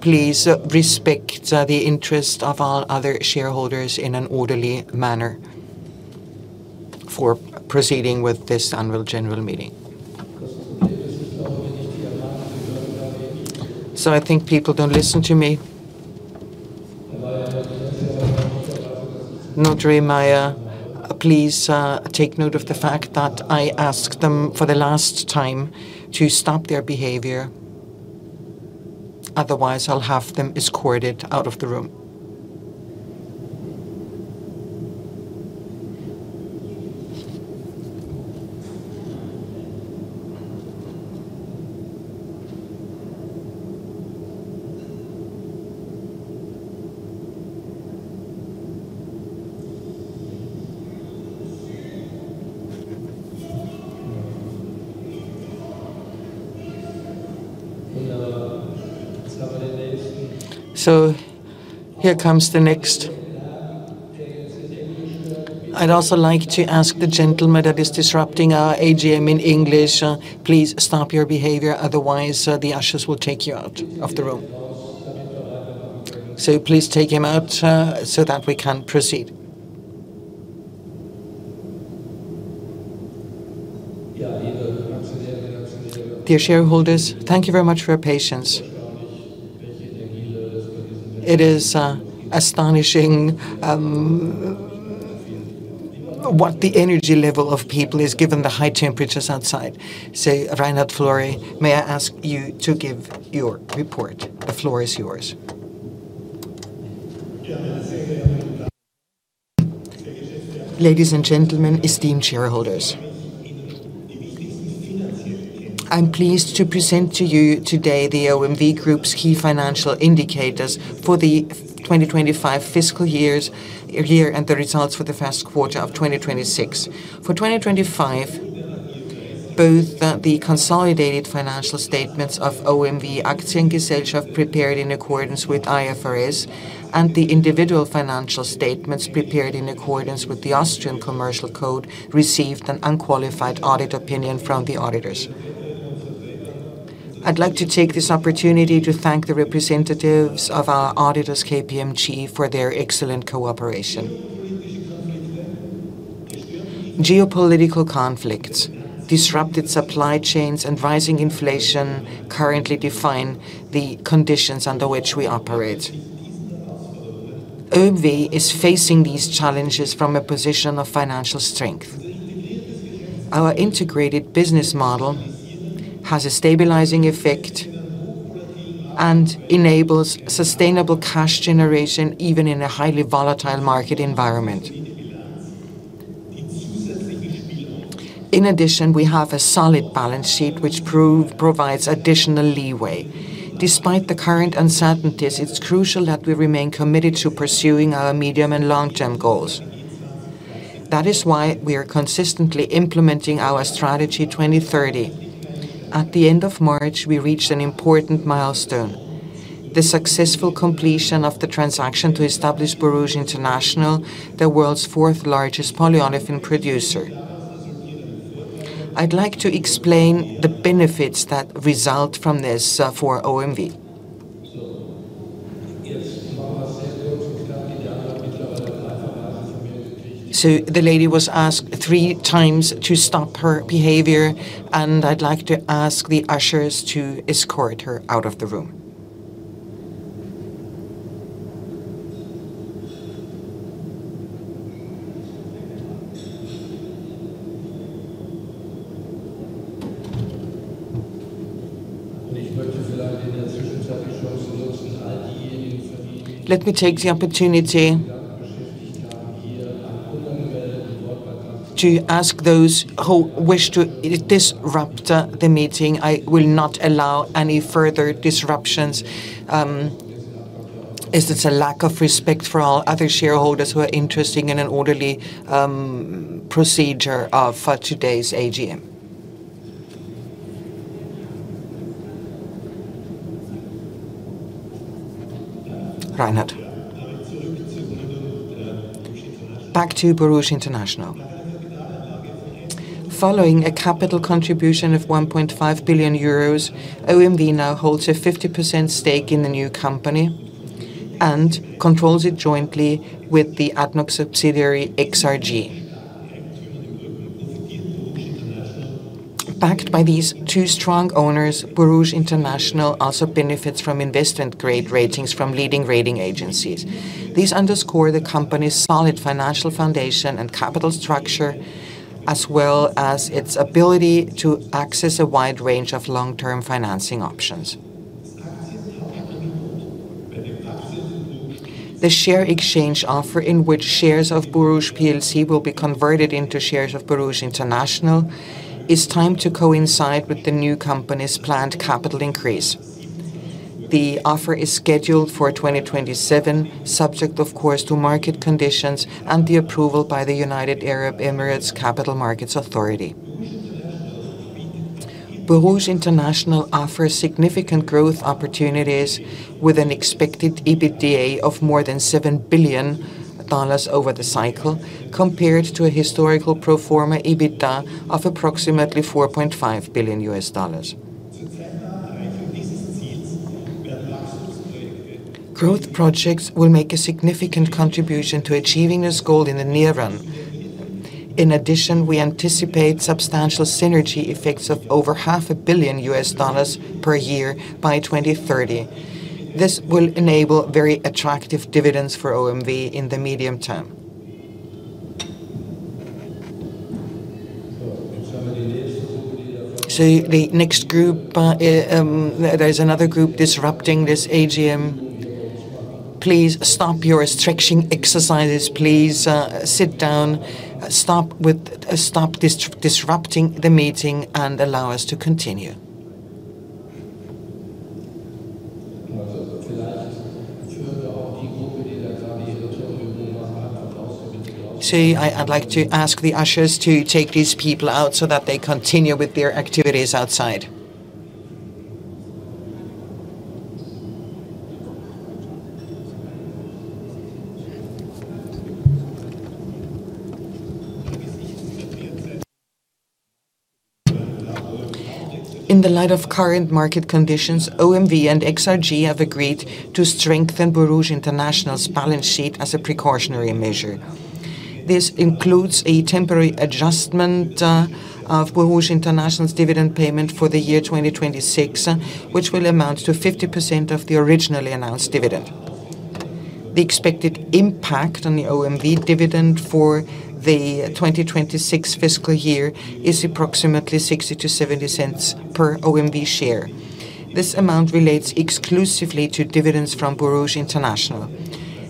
please respect the interest of our other shareholders in an orderly manner for proceeding with this annual general meeting. I think people don't listen to me. Notary Meyer, please take note of the fact that I asked them for the last time to stop their behavior, otherwise I'll have them escorted out of the room. Here comes the next I'd also like to ask the gentleman that is disrupting our AGM in English, please stop your behavior, otherwise the ushers will take you out of the room. Please take him out so that we can proceed. Dear shareholders, thank you very much for your patience. It is astonishing what the energy level of people is given the high temperatures outside. Reinhard Florey, may I ask you to give your report? The floor is yours. Ladies and gentlemen, esteemed shareholders. I'm pleased to present to you today the OMV Group's key financial indicators for the 2025 fiscal year and the results for the first quarter of 2026. For 2025, both the consolidated financial statements of OMV Aktiengesellschaft prepared in accordance with IFRS and the individual financial statements prepared in accordance with the Austrian Commercial Code, received an unqualified audit opinion from the auditors. I'd like to take this opportunity to thank the representatives of our auditors, KPMG, for their excellent cooperation. Geopolitical conflicts, disrupted supply chains, and rising inflation currently define the conditions under which we operate. OMV is facing these challenges from a position of financial strength. Our integrated business model has a stabilizing effect and enables sustainable cash generation even in a highly volatile market environment. In addition, we have a solid balance sheet which provides additional leeway. Despite the current uncertainties, it's crucial that we remain committed to pursuing our medium and long-term goals. That is why we are consistently implementing our Strategy 2030. At the end of March, we reached an important milestone, the successful completion of the transaction to establish Borouge International, the world's fourth-largest polyolefin producer. I'd like to explain the benefits that result from this for OMV. The lady was asked three times to stop her behavior, and I'd like to ask the ushers to escort her out of the room. Let me take the opportunity to ask those who wish to disrupt the meeting, I will not allow any further disruptions as it's a lack of respect for our other shareholders who are interested in an orderly procedure for today's AGM. Reinhard. Back to Borouge International. Following a capital contribution of 1.5 billion euros, OMV now holds a 50% stake in the new company and controls it jointly with the ADNOC subsidiary, XRG. Backed by these two strong owners, Borouge International also benefits from investment-grade ratings from leading rating agencies. These underscore the company's solid financial foundation and capital structure, as well as its ability to access a wide range of long-term financing options. The share exchange offer in which shares of Borouge Plc will be converted into shares of Borouge International is timed to coincide with the new company's planned capital increase. The offer is scheduled for 2027, subject of course to market conditions and the approval by the United Arab Emirates Capital Market Authority. Borouge International offers significant growth opportunities with an expected EBITDA of more than $7 billion over the cycle, compared to a historical pro forma EBITDA of approximately $4.5 billion. Growth projects will make a significant contribution to achieving this goal in the near term. In addition, we anticipate substantial synergy effects of over $0.5 billion per year by 2030. This will enable very attractive dividends for OMV in the medium term. The next group, there is another group disrupting this AGM. Please stop your stretching exercises. Please sit down. Stop disrupting the meeting and allow us to continue. I'd like to ask the ushers to take these people out so that they continue with their activities outside. In the light of current market conditions, OMV and XRG have agreed to strengthen Borouge International's balance sheet as a precautionary measure. This includes a temporary adjustment of Borouge International's dividend payment for the year 2026, which will amount to 50% of the originally announced dividend. The expected impact on the OMV dividend for the 2026 fiscal year is approximately 0.60-0.70 per OMV share. This amount relates exclusively to dividends from Borouge International.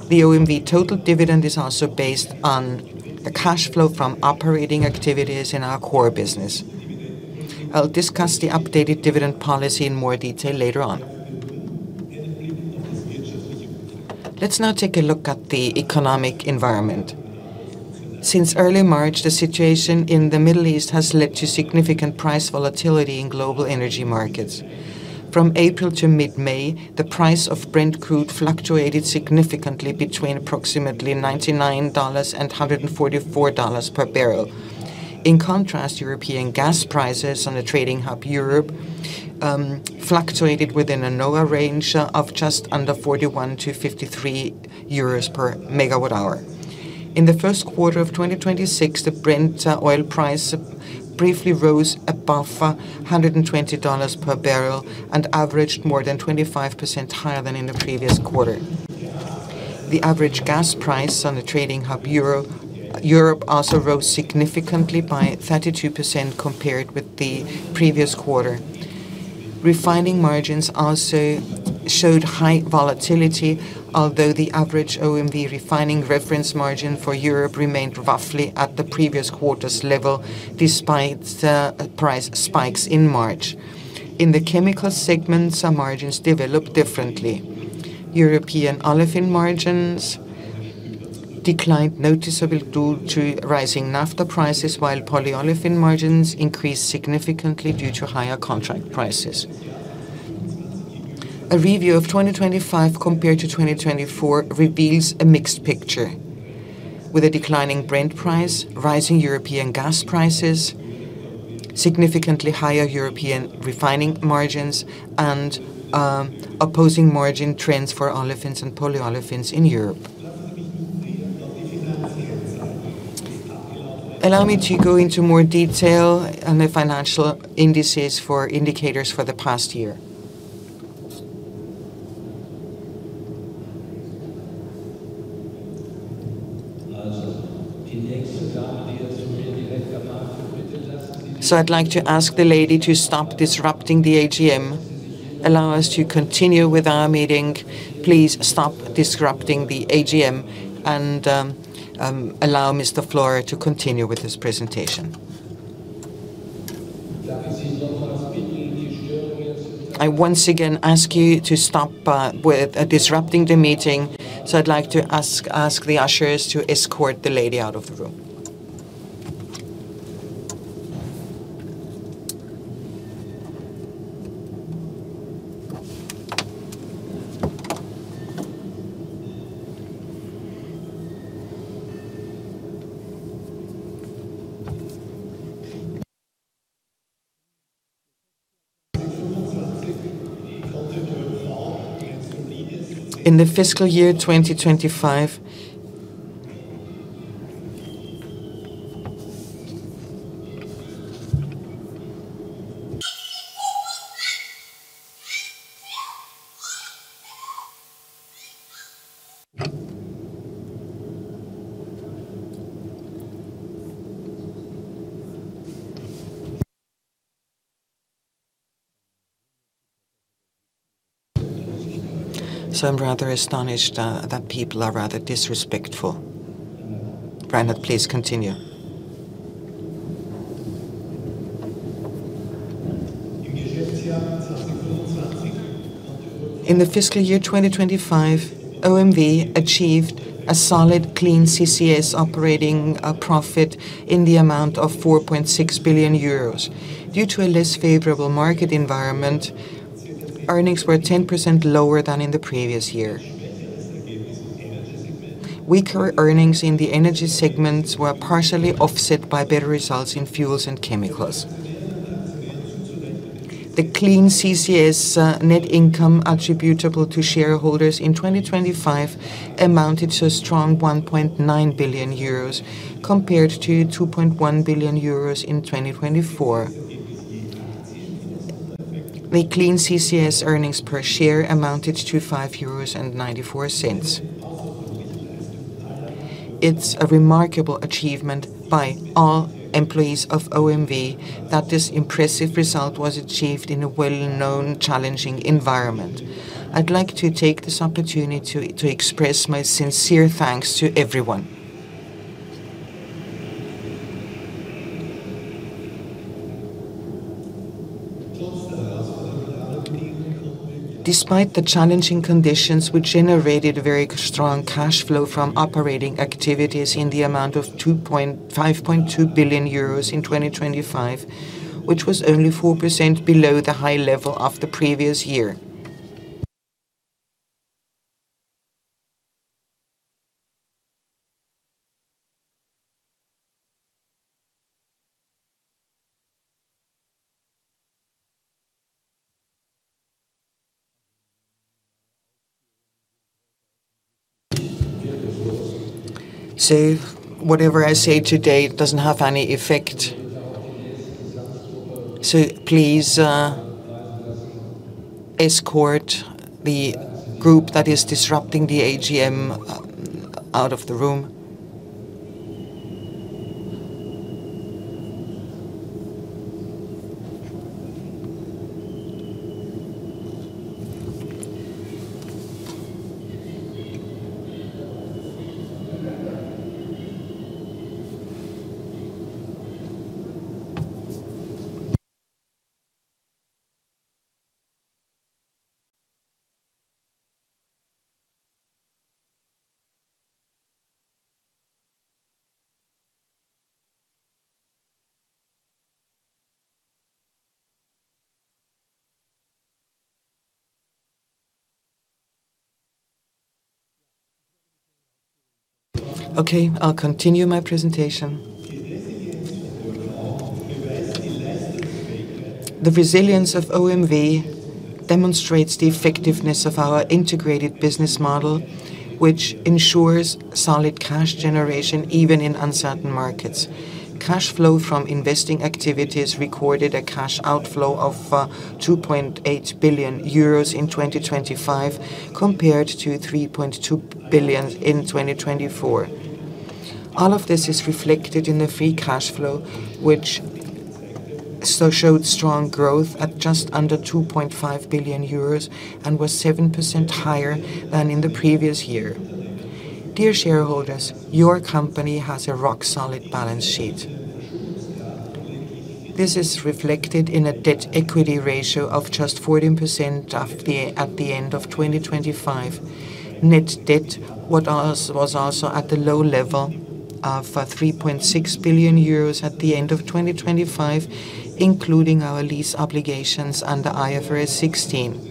The OMV total dividend is also based on the cash flow from operating activities in our core business. I'll discuss the updated dividend policy in more detail later on. Let's now take a look at the economic environment. Since early March, the situation in the Middle East has led to significant price volatility in global energy markets. From April to mid-May, the price of Brent crude fluctuated significantly between approximately EUR 99 and EUR 144 per barrel. In contrast, European gas prices on the Trading Hub Europe fluctuated within a narrower range of just under 41 to 53 euros per megawatt hour. In the first quarter of 2026, the Brent oil price briefly rose above EUR 120 per barrel and averaged more than 25% higher than in the previous quarter. The average gas price on the Trading Hub Europe also rose significantly by 32% compared with the previous quarter. Refining margins also showed high volatility, although the average OMV refining reference margin for Europe remained roughly at the previous quarter's level, despite price spikes in March. In the chemical segment, some margins developed differently. European olefin margins declined noticeably due to rising naphtha prices, while polyolefin margins increased significantly due to higher contract prices. A review of 2025 compared to 2024 reveals a mixed picture, with a declining Brent price, rising European gas prices, significantly higher European refining margins and opposing margin trends for olefins and polyolefins in Europe. Allow me to go into more detail on the financial indicators for the past year. I'd like to ask the lady to stop disrupting the AGM, allow us to continue with our meeting. Please stop disrupting the AGM and allow Mr. Florey to continue with his presentation. I once again ask you to stop with disrupting the meeting. I'd like to ask the ushers to escort the lady out of the room. In the fiscal year 2025. I'm rather astonished that people are rather disrespectful. Reinhard, please continue. In the fiscal year 2025, OMV achieved a solid Clean CCS Operating Result in the amount of 4.6 billion euros. Due to a less favorable market environment, earnings were 10% lower than in the previous year. Weaker earnings in the energy segments were partially offset by better results in fuels and chemicals. The Clean CCS net income attributable to shareholders in 2025 amounted to a strong 1.9 billion euros compared to 2.1 billion euros in 2024. The Clean CCS earnings per share amounted to 5.94 euros. It's a remarkable achievement by all employees of OMV that this impressive result was achieved in a well-known challenging environment. I'd like to take this opportunity to express my sincere thanks to everyone. Despite the challenging conditions, we generated very strong cash flow from operating activities in the amount of 5.2 billion euros in 2025, which was only 4% below the high level of the previous year. Whatever I say today, it doesn't have any effect. Please, escort the group that is disrupting the AGM out of the room. Okay, I'll continue my presentation. The resilience of OMV demonstrates the effectiveness of our integrated business model, which ensures solid cash generation even in uncertain markets. Cash flow from investing activities recorded a cash outflow of €2.8 billion in 2025 compared to €3.2 billion in 2024. All of this is reflected in the free cash flow, which showed strong growth at just under €2.5 billion and was 7% higher than in the previous year. Dear shareholders, your company has a rock-solid balance sheet. This is reflected in a debt-equity ratio of just 14% at the end of 2025. Net debt was also at a low level of 3.6 billion euros at the end of 2025, including our lease obligations under IFRS 16.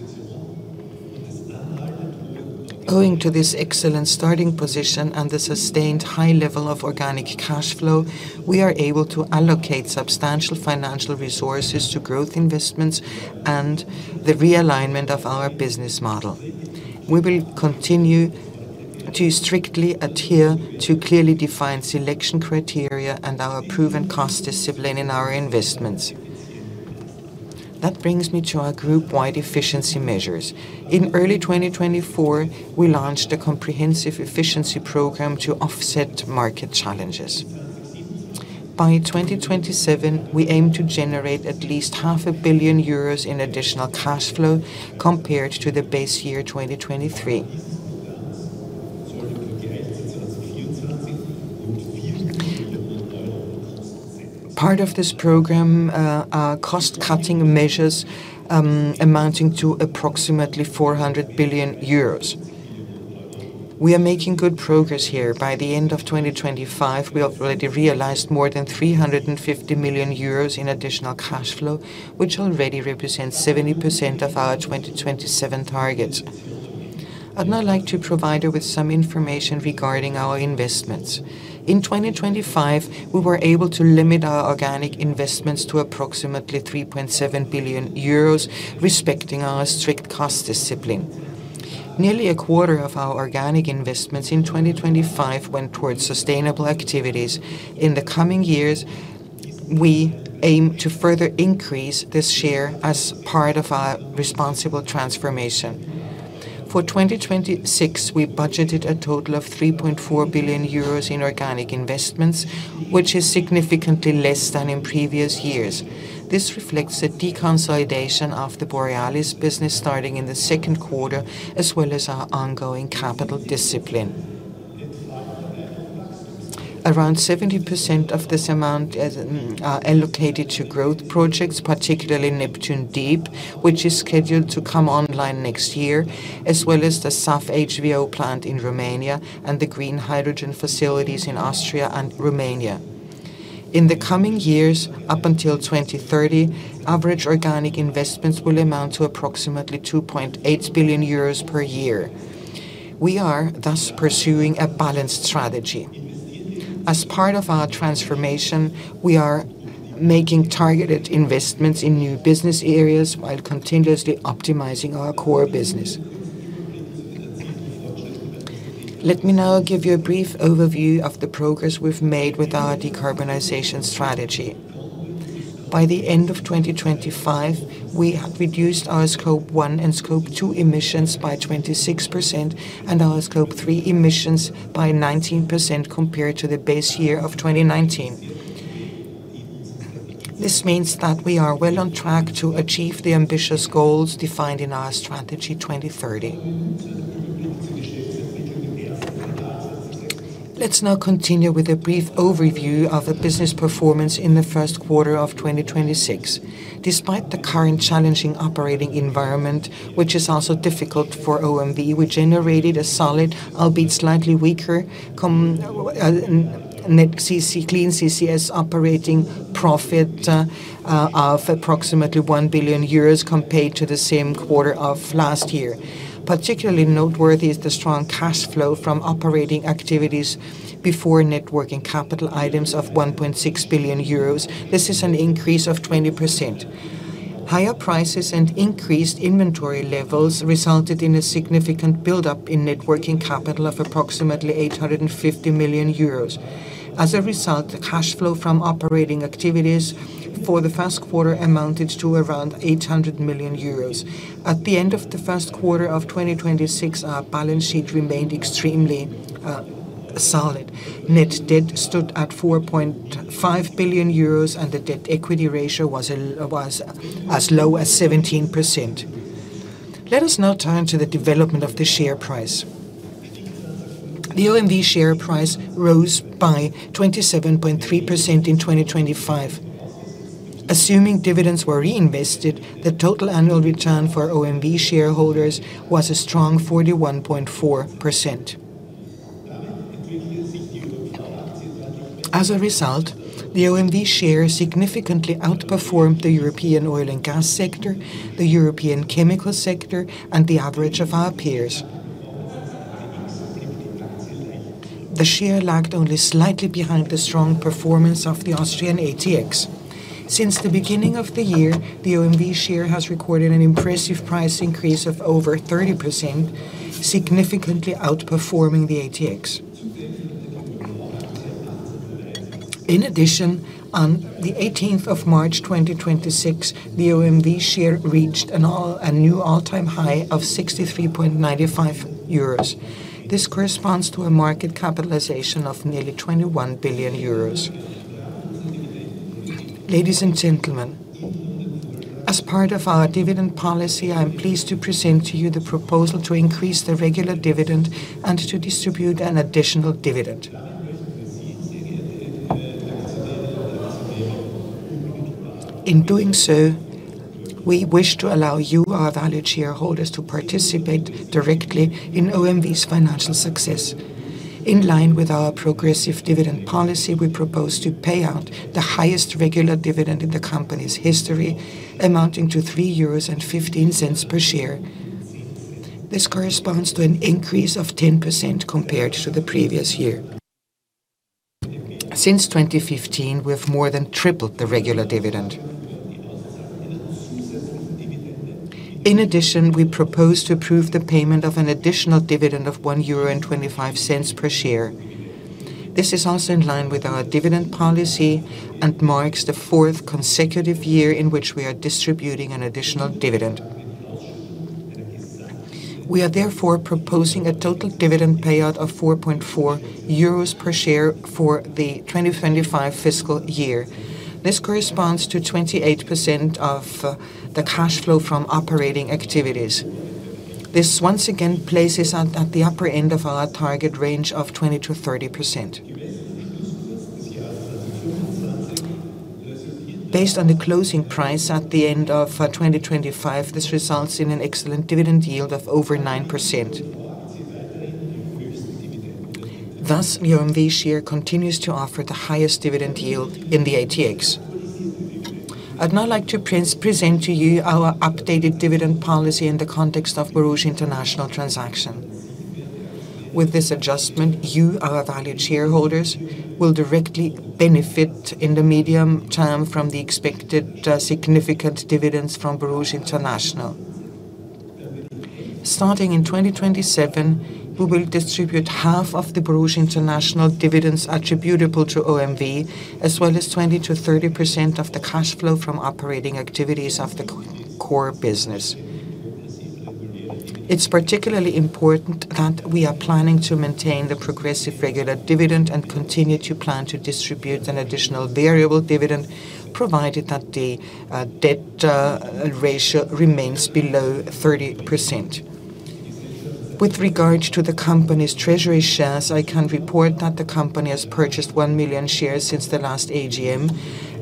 Owing to this excellent starting position and the sustained high level of organic cash flow, we are able to allocate substantial financial resources to growth investments and the realignment of our business model. We will continue to strictly adhere to clearly defined selection criteria and our proven cost discipline in our investments. That brings me to our group-wide efficiency measures. In early 2024, we launched a comprehensive efficiency program to offset market challenges. By 2027, we aim to generate at least half a billion EUR in additional cash flow compared to the base year 2023. Part of this program are cost-cutting measures amounting to approximately 400 billion euros. We are making good progress here. By the end of 2025, we have already realized more than 350 million euros in additional cash flow, which already represents 70% of our 2027 targets. I'd now like to provide you with some information regarding our investments. In 2025, we were able to limit our organic investments to approximately 3.7 billion euros, respecting our strict cost discipline. Nearly a quarter of our organic investments in 2025 went towards sustainable activities. In the coming years, we aim to further increase this share as part of our responsible transformation. For 2026, we budgeted a total of 3.4 billion euros in organic investments, which is significantly less than in previous years. This reflects the deconsolidation of the Borealis business starting in the second quarter, as well as our ongoing capital discipline. Around 70% of this amount is allocated to growth projects, particularly Neptun Deep, which is scheduled to come online next year, as well as the SAF HVO plant in Romania and the green hydrogen facilities in Austria and Romania. In the coming years, up until 2030, average organic investments will amount to approximately €2.8 billion per year. We are thus pursuing a balanced strategy. As part of our transformation, we are making targeted investments in new business areas while continuously optimizing our core business. Let me now give you a brief overview of the progress we've made with our decarbonization strategy. By the end of 2025, we have reduced our Scope one and Scope two emissions by 26% and our Scope three emissions by 19% compared to the base year of 2019. This means that we are well on track to achieve the ambitious goals defined in our Strategy 2030. Let's now continue with a brief overview of the business performance in the first quarter of 2026. Despite the current challenging operating environment, which is also difficult for OMV, we generated a solid, albeit slightly weaker, Clean CCS operating profit of approximately 1 billion euros compared to the same quarter of last year. Particularly noteworthy is the strong cash flow from operating activities before net working capital items of 1.6 billion euros. This is an increase of 20%. Higher prices and increased inventory levels resulted in a significant buildup in net working capital of approximately 850 million euros. As a result, the cash flow from operating activities for the first quarter amounted to around 800 million euros. At the end of the first quarter of 2026, our balance sheet remained extremely solid. Net debt stood at 4.5 billion euros and the debt equity ratio was as low as 17%. Let us now turn to the development of the share price. The OMV share price rose by 27.3% in 2025. Assuming dividends were reinvested, the total annual return for OMV shareholders was a strong 41.4%. As a result, the OMV share significantly outperformed the European oil and gas sector, the European chemical sector, and the average of our peers. The share lagged only slightly behind the strong performance of the Austrian ATX. Since the beginning of the year, the OMV share has recorded an impressive price increase of over 30%, significantly outperforming the ATX. In addition, on the 18th of March 2026, the OMV share reached a new all-time high of €63.95. This corresponds to a market capitalization of nearly €21 billion. Ladies and gentlemen, as part of our dividend policy, I am pleased to present to you the proposal to increase the regular dividend and to distribute an additional dividend. In doing so, we wish to allow you, our valued shareholders, to participate directly in OMV's financial success. In line with our progressive dividend policy, we propose to pay out the highest regular dividend in the company's history, amounting to 3.15 euros per share. This corresponds to an increase of 10% compared to the previous year. Since 2015, we have more than tripled the regular dividend. In addition, we propose to approve the payment of an additional dividend of 1.25 euro per share. This is also in line with our dividend policy and marks the fourth consecutive year in which we are distributing an additional dividend. We are therefore proposing a total dividend payout of 4.4 euros per share for the 2025 fiscal year. This corresponds to 28% of the cash flow from operating activities. This once again places us at the upper end of our target range of 20%-30%. Based on the closing price at the end of 2025, this results in an excellent dividend yield of over 9%. Thus, OMV share continues to offer the highest dividend yield in the ATX. I'd now like to present to you our updated dividend policy in the context of Borouge International transaction. With this adjustment, you, our valued shareholders, will directly benefit in the medium term from the expected significant dividends from Borouge International. Starting in 2027, we will distribute half of the Borouge International dividends attributable to OMV, as well as 20%-30% of the cash flow from operating activities of the core business. It's particularly important that we are planning to maintain the progressive regular dividend and continue to plan to distribute an additional variable dividend, provided that the debt ratio remains below 30%. With regards to the company's treasury shares, I can report that the company has purchased 1 million shares since the last AGM.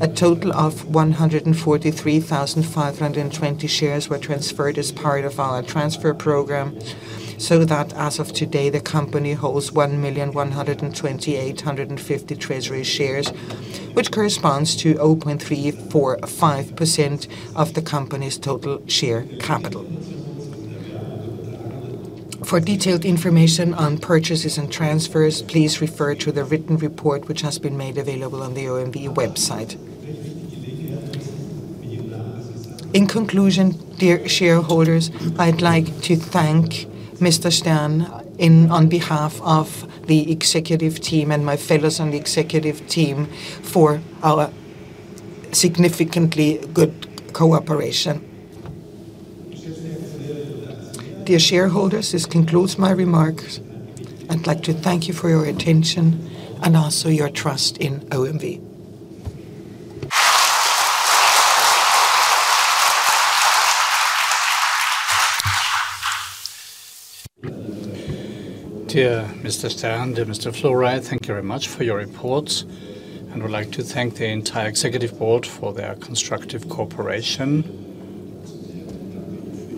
A total of 143,520 shares were transferred as part of our transfer program, so that as of today, the company holds 1,120,850 treasury shares, which corresponds to 0.345% of the company's total share capital. For detailed information on purchases and transfers, please refer to the written report which has been made available on the OMV website. In conclusion, dear shareholders, I'd like to thank Mr. Stern on behalf of the executive team and my fellows on the executive team for our significantly good cooperation. Dear shareholders, this concludes my remarks. I'd like to thank you for your attention and also your trust in OMV. Dear Mr. Stern, dear Mr. Florey, thank you very much for your reports. I would like to thank the entire executive board for their constructive cooperation.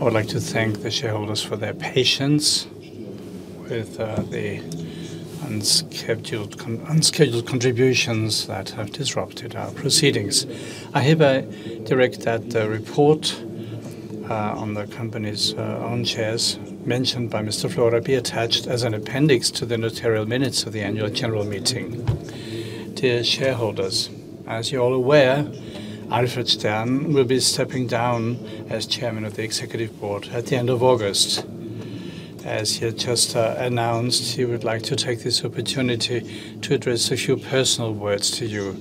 I would like to thank the shareholders for their patience with the unscheduled contributions that have disrupted our proceedings. I hereby direct that the report on the company's own shares mentioned by Mr. Florey be attached as an appendix to the notarial minutes of the annual general meeting. Dear shareholders, as you're all aware, Alfred Stern will be stepping down as Chairman of the Executive Board at the end of August. As he had just announced, he would like to take this opportunity to address a few personal words to you.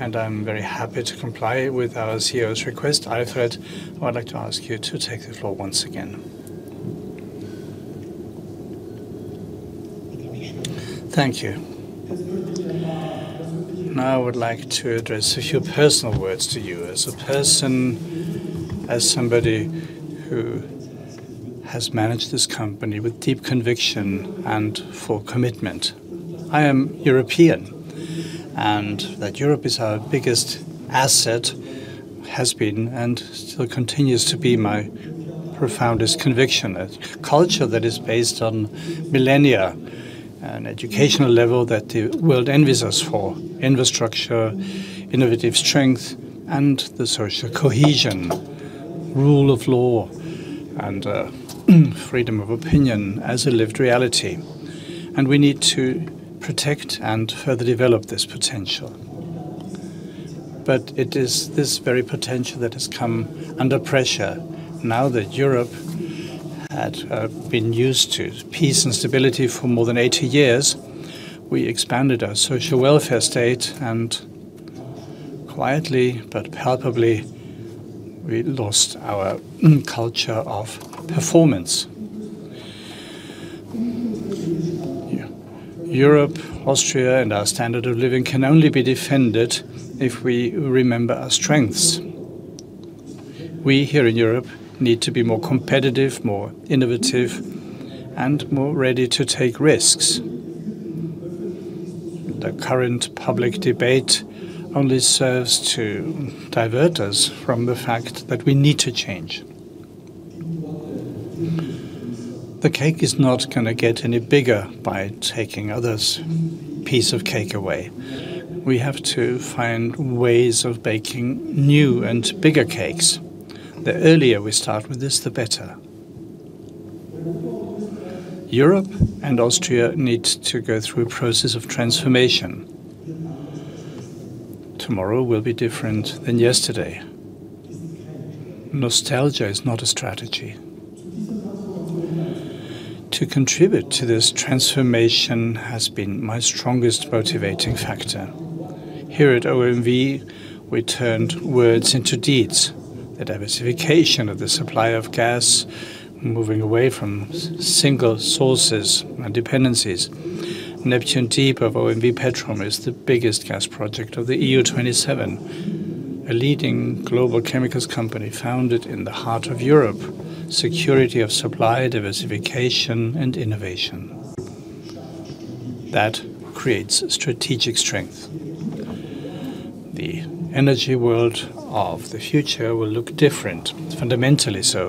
I'm very happy to comply with our CEO's request. Alfred, I would like to ask you to take the floor once again. Thank you. Now I would like to address a few personal words to you as a person, as somebody who has managed this company with deep conviction and full commitment. I am European, that Europe is our biggest asset has been and still continues to be my profoundest conviction. A culture that is based on millennia, an educational level that the world envies us for, infrastructure, innovative strength, and the social cohesion, rule of law, and freedom of opinion as a lived reality. We need to protect and further develop this potential. It is this very potential that has come under pressure now that Europe had been used to peace and stability for more than 80 years. We expanded our social welfare state and quietly but palpably, we lost our culture of performance. Europe, Austria, and our standard of living can only be defended if we remember our strengths. We here in Europe need to be more competitive, more innovative, and more ready to take risks. The current public debate only serves to divert us from the fact that we need to change. The cake is not going to get any bigger by taking other's piece of cake away. We have to find ways of baking new and bigger cakes. The earlier we start with this, the better. Europe and Austria need to go through a process of transformation. Tomorrow will be different than yesterday. Nostalgia is not a strategy. To contribute to this transformation has been my strongest motivating factor. Here at OMV, we turned words into deeds. The diversification of the supply of gas, moving away from single sources and dependencies. Neptun Deep of OMV Petrom is the biggest gas project of the EU 27, a leading global chemicals company founded in the heart of Europe. Security of supply, diversification, and innovation. That creates strategic strength. The energy world of the future will look different, fundamentally so,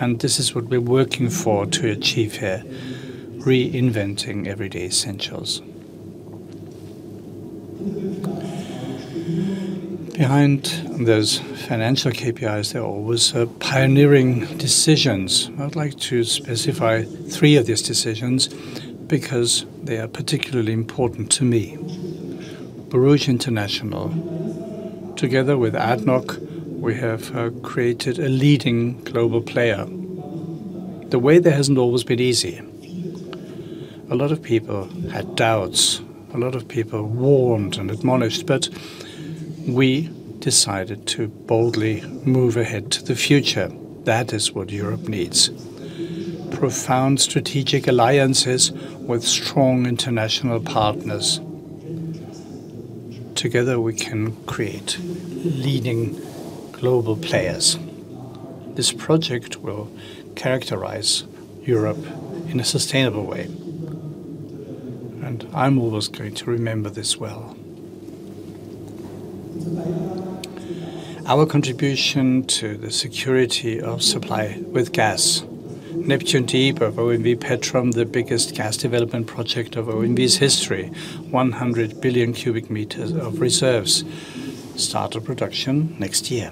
and this is what we're working for to achieve here, reinventing everyday essentials. Behind those financial KPIs, there are always pioneering decisions. I would like to specify three of these decisions because they are particularly important to me. Borouge International, together with ADNOC, we have created a leading global player. The way there hasn't always been easy. A lot of people had doubts, a lot of people warned and admonished, but we decided to boldly move ahead to the future. That is what Europe needs, profound strategic alliances with strong international partners. Together, we can create leading global players. This project will characterize Europe in a sustainable way, and I'm always going to remember this well. Our contribution to the security of supply with gas. Neptun Deep of OMV Petrom, the biggest gas development project of OMV's history, 100 billion cubic meters of reserves, start of production next year.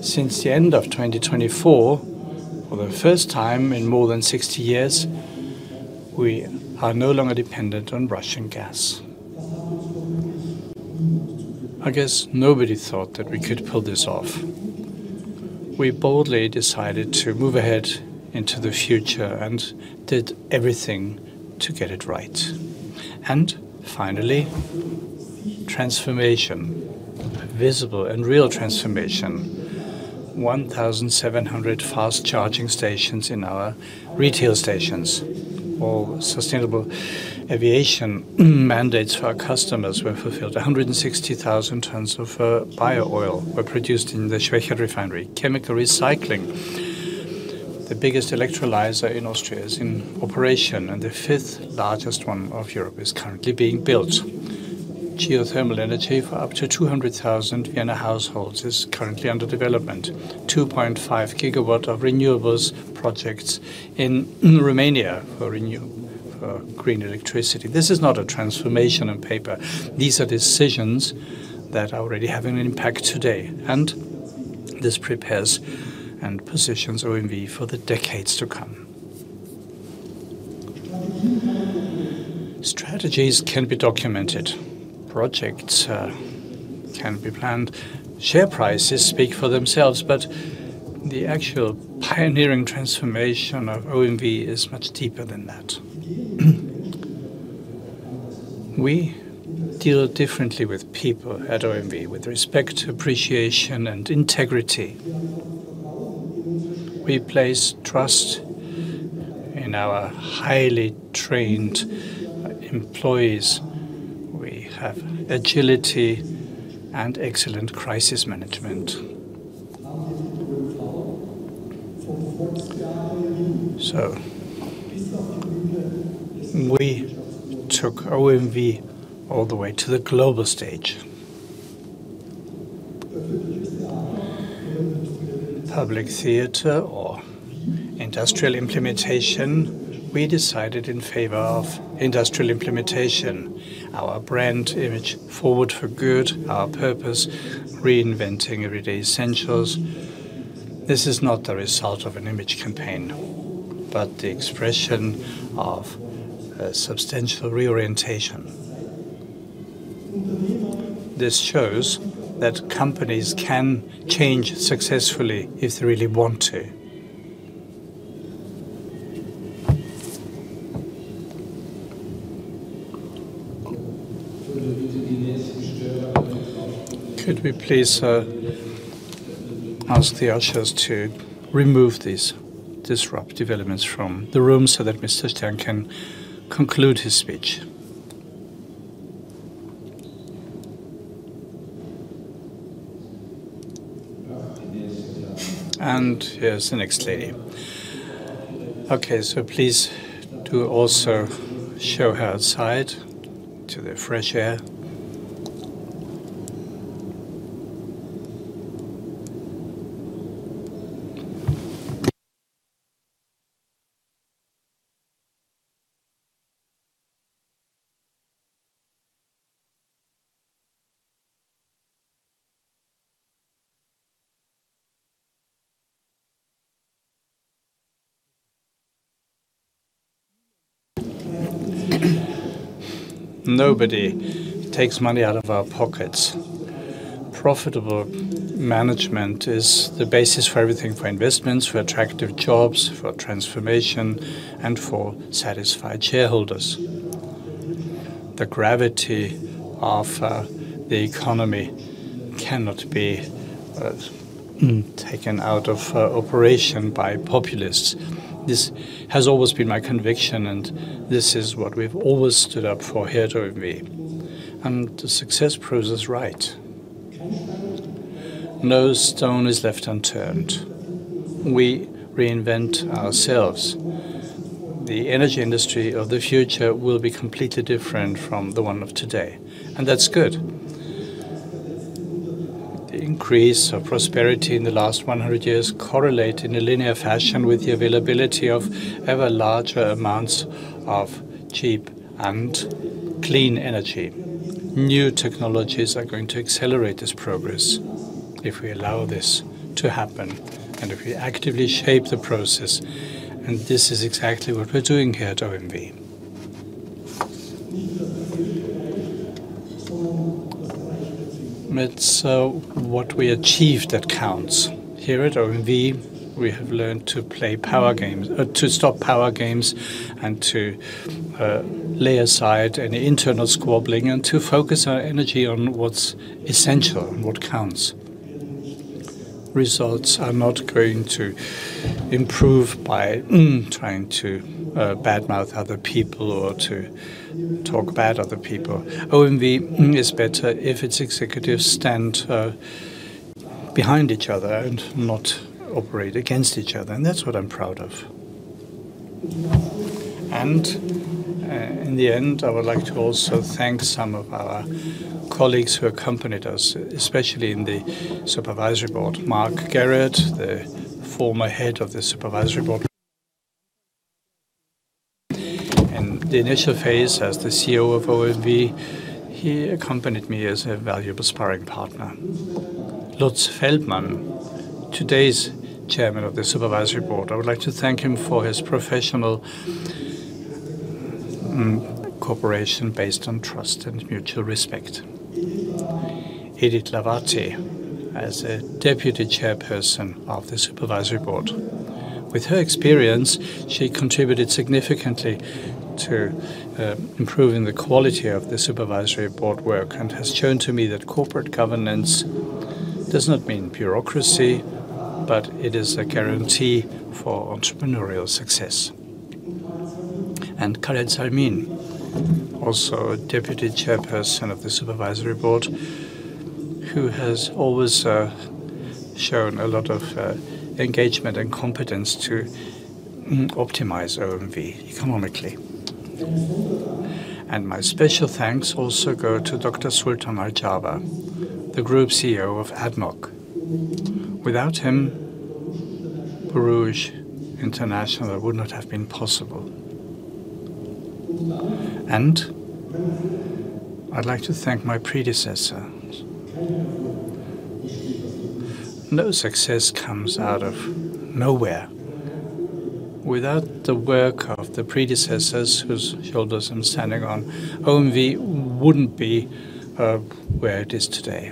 Since the end of 2024, for the first time in more than 60 years, we are no longer dependent on Russian gas. I guess nobody thought that we could pull this off. We boldly decided to move ahead into the future and did everything to get it right. Finally, transformation, visible and real transformation. 1,700 fast charging stations in our retail stations. All sustainable aviation mandates for our customers were fulfilled. 160,000 tons of bio oil were produced in the Schwechat Refinery. Chemical recycling. The biggest electrolyzer in Austria is in operation, and the fifth largest one of Europe is currently being built. Geothermal energy for up to 200,000 Vienna households is currently under development. 2.5 gigawatts of renewables projects in Romania for green electricity. This is not a transformation on paper. These are decisions that are already having an impact today, and this prepares and positions OMV for the decades to come. Strategies can be documented. Projects can be planned. Share prices speak for themselves, but the actual pioneering transformation of OMV is much deeper than that. We deal differently with people at OMV with respect, appreciation, and integrity. We place trust in our highly trained employees. We have agility and excellent crisis management. We took OMV all the way to the global stage. Public theater or industrial implementation, we decided in favor of industrial implementation. Our brand image, Forward for Good, our purpose, Reinventing essentials for sustainable living. This is not the result of an image campaign, but the expression of a substantial reorientation. This shows that companies can change successfully if they really want to. Could we please ask the ushers to remove these disruptive elements from the room so that Mr. Stern can conclude his speech? Here's the next lady. Please do also show her outside to the fresh air. Nobody takes money out of our pockets. Profitable management is the basis for everything, for investments, for attractive jobs, for transformation, and for satisfied shareholders. The gravity of the economy cannot be taken out of operation by populists. This has always been my conviction, and this is what we've always stood up for here at OMV, and success proves us right. No stone is left unturned. We reinvent ourselves. The energy industry of the future will be completely different from the one of today, and that's good. The increase of prosperity in the last 100 years correlate in a linear fashion with the availability of ever larger amounts of cheap and clean energy. New technologies are going to accelerate this progress if we allow this to happen and if we actively shape the process. This is exactly what we're doing here at OMV. It's what we achieve that counts. Here at OMV, we have learned to stop power games and to lay aside any internal squabbling and to focus our energy on what's essential and what counts. Results are not going to improve by trying to badmouth other people or to talk about other people. OMV is better if its executives stand behind each other and not operate against each other. That's what I'm proud of. In the end, I would like to also thank some of our colleagues who accompanied us, especially in the supervisory board, Mark Garrett, the former head of the supervisory board. In the initial phase as the CEO of OMV, he accompanied me as a valuable sparring partner. Lutz Feldmann, today's chairman of the supervisory board. I would like to thank him for his professional cooperation based on trust and mutual respect. Edith Hlawati, as a deputy chairperson of the supervisory board. With her experience, she contributed significantly to improving the quality of the supervisory board work and has shown to me that corporate governance does not mean bureaucracy, but it is a guarantee for entrepreneurial success. Gertrude Tumpel-Gugerell, also a deputy chairperson of the supervisory board, who has always shown a lot of engagement and competence to optimize OMV economically. My special thanks also go to Dr. Sultan Al Jaber, the Group CEO of ADNOC. Without him, Borouge International would not have been possible. I'd like to thank my predecessors. No success comes out of nowhere. Without the work of the predecessors whose shoulders I'm standing on, OMV wouldn't be where it is today.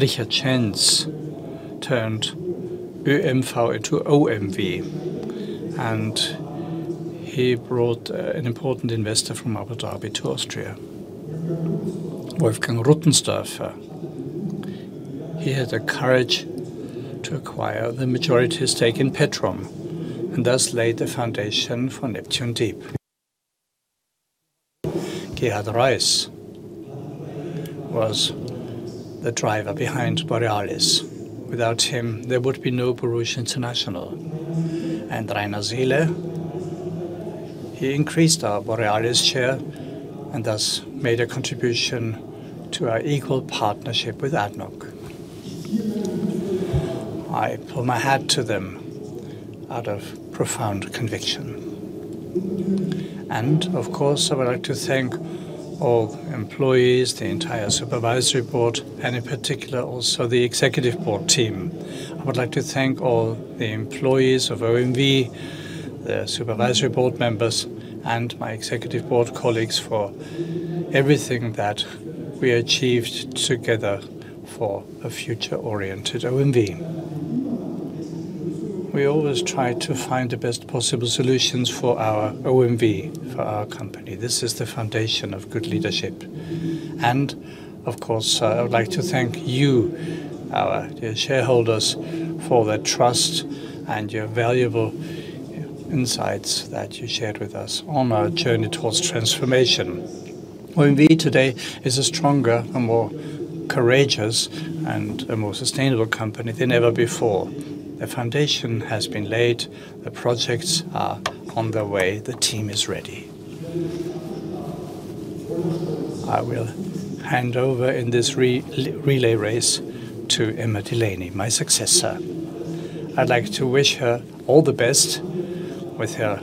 Richard Schenz turned OMV into OMV, and he brought an important investor from Abu Dhabi to Austria. Wolfgang Ruttenstorfer, he had the courage to acquire the majority stake in Petrom, and thus laid the foundation for Neptun Deep. Gerhard Roiss was the driver behind Borealis. Without him, there would be no Borouge International. Rainer Seele, he increased our Borealis share and thus made a contribution to our equal partnership with ADNOC. I pull my hat to them out of profound conviction. Of course, I would like to thank all employees, the entire supervisory board, and in particular also the executive board team. I would like to thank all the employees of OMV, the supervisory board members, and my executive board colleagues for everything that we achieved together for a future-oriented OMV. We always try to find the best possible solutions for our OMV, for our company. This is the foundation of good leadership. Of course, I would like to thank you, our dear shareholders, for the trust and your valuable insights that you shared with us on our journey towards transformation. OMV today is a stronger and more courageous and a more sustainable company than ever before. The foundation has been laid. The projects are on the way. The team is ready. I will hand over in this relay race to Emma Delaney, my successor. I'd like to wish her all the best. With her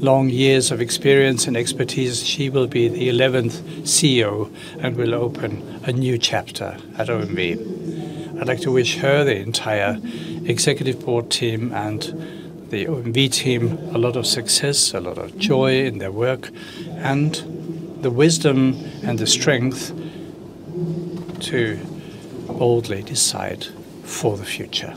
long years of experience and expertise, she will be the 11th CEO and will open a new chapter at OMV. I'd like to wish her, the entire executive board team, and the OMV team a lot of success, a lot of joy in their work, and the wisdom and the strength to boldly decide for the future.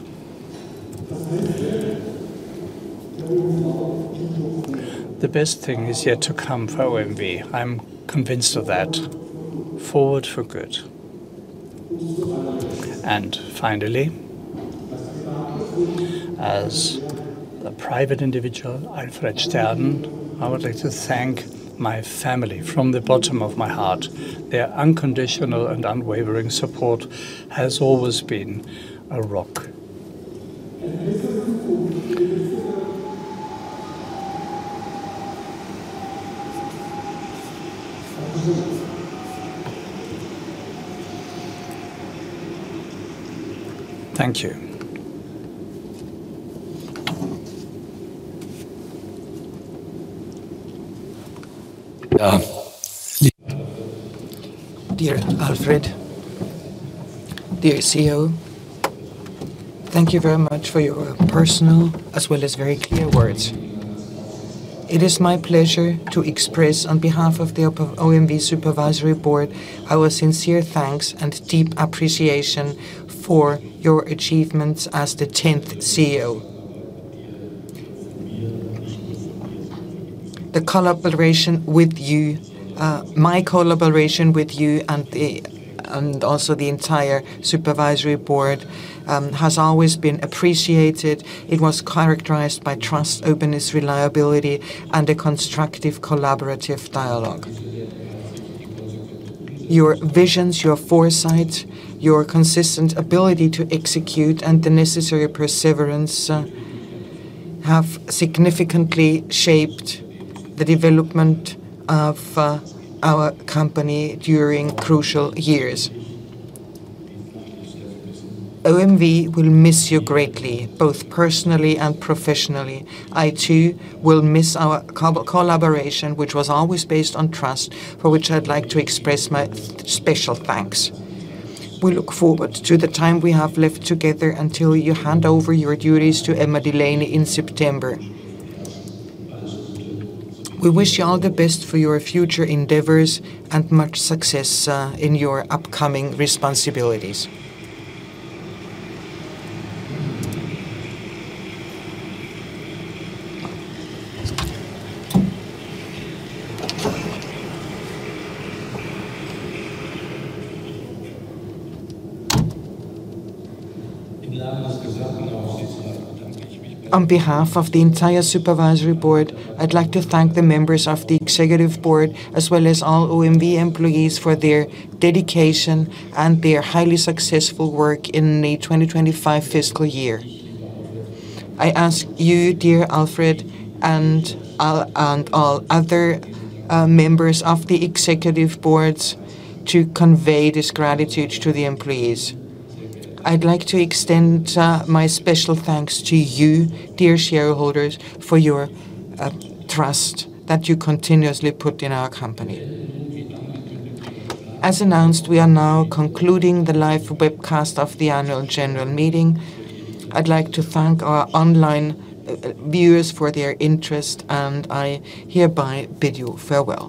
The best thing is yet to come for OMV. I'm convinced of that. Forward for Good. Finally, as a private individual, Alfred Stern, I would like to thank my family from the bottom of my heart. Their unconditional and unwavering support has always been a rock. Thank you. Dear Alfred Stern, dear CEO, thank you very much for your personal as well as very clear words. It is my pleasure to express, on behalf of the OMV Supervisory Board, our sincere thanks and deep appreciation for your achievements as the 10th CEO. The collaboration with you, my collaboration with you and also the entire supervisory board, has always been appreciated. It was characterized by trust, openness, reliability, and a constructive, collaborative dialogue. Your visions, your foresight, your consistent ability to execute, and the necessary perseverance have significantly shaped the development of our company during crucial years. OMV will miss you greatly, both personally and professionally. I, too, will miss our collaboration, which was always based on trust, for which I'd like to express my special thanks. We look forward to the time we have left together until you hand over your duties to Emma Delaney in September. We wish you all the best for your future endeavors and much success in your upcoming responsibilities. On behalf of the entire supervisory board, I'd like to thank the members of the executive board, as well as all OMV employees for their dedication and their highly successful work in the 2025 fiscal year. I ask you, dear Alfred Stern, and all other members of the executive boards to convey this gratitude to the employees. I'd like to extend my special thanks to you, dear shareholders, for your trust that you continuously put in our company. As announced, we are now concluding the live webcast of the annual general meeting. I'd like to thank our online viewers for their interest, and I hereby bid you farewell.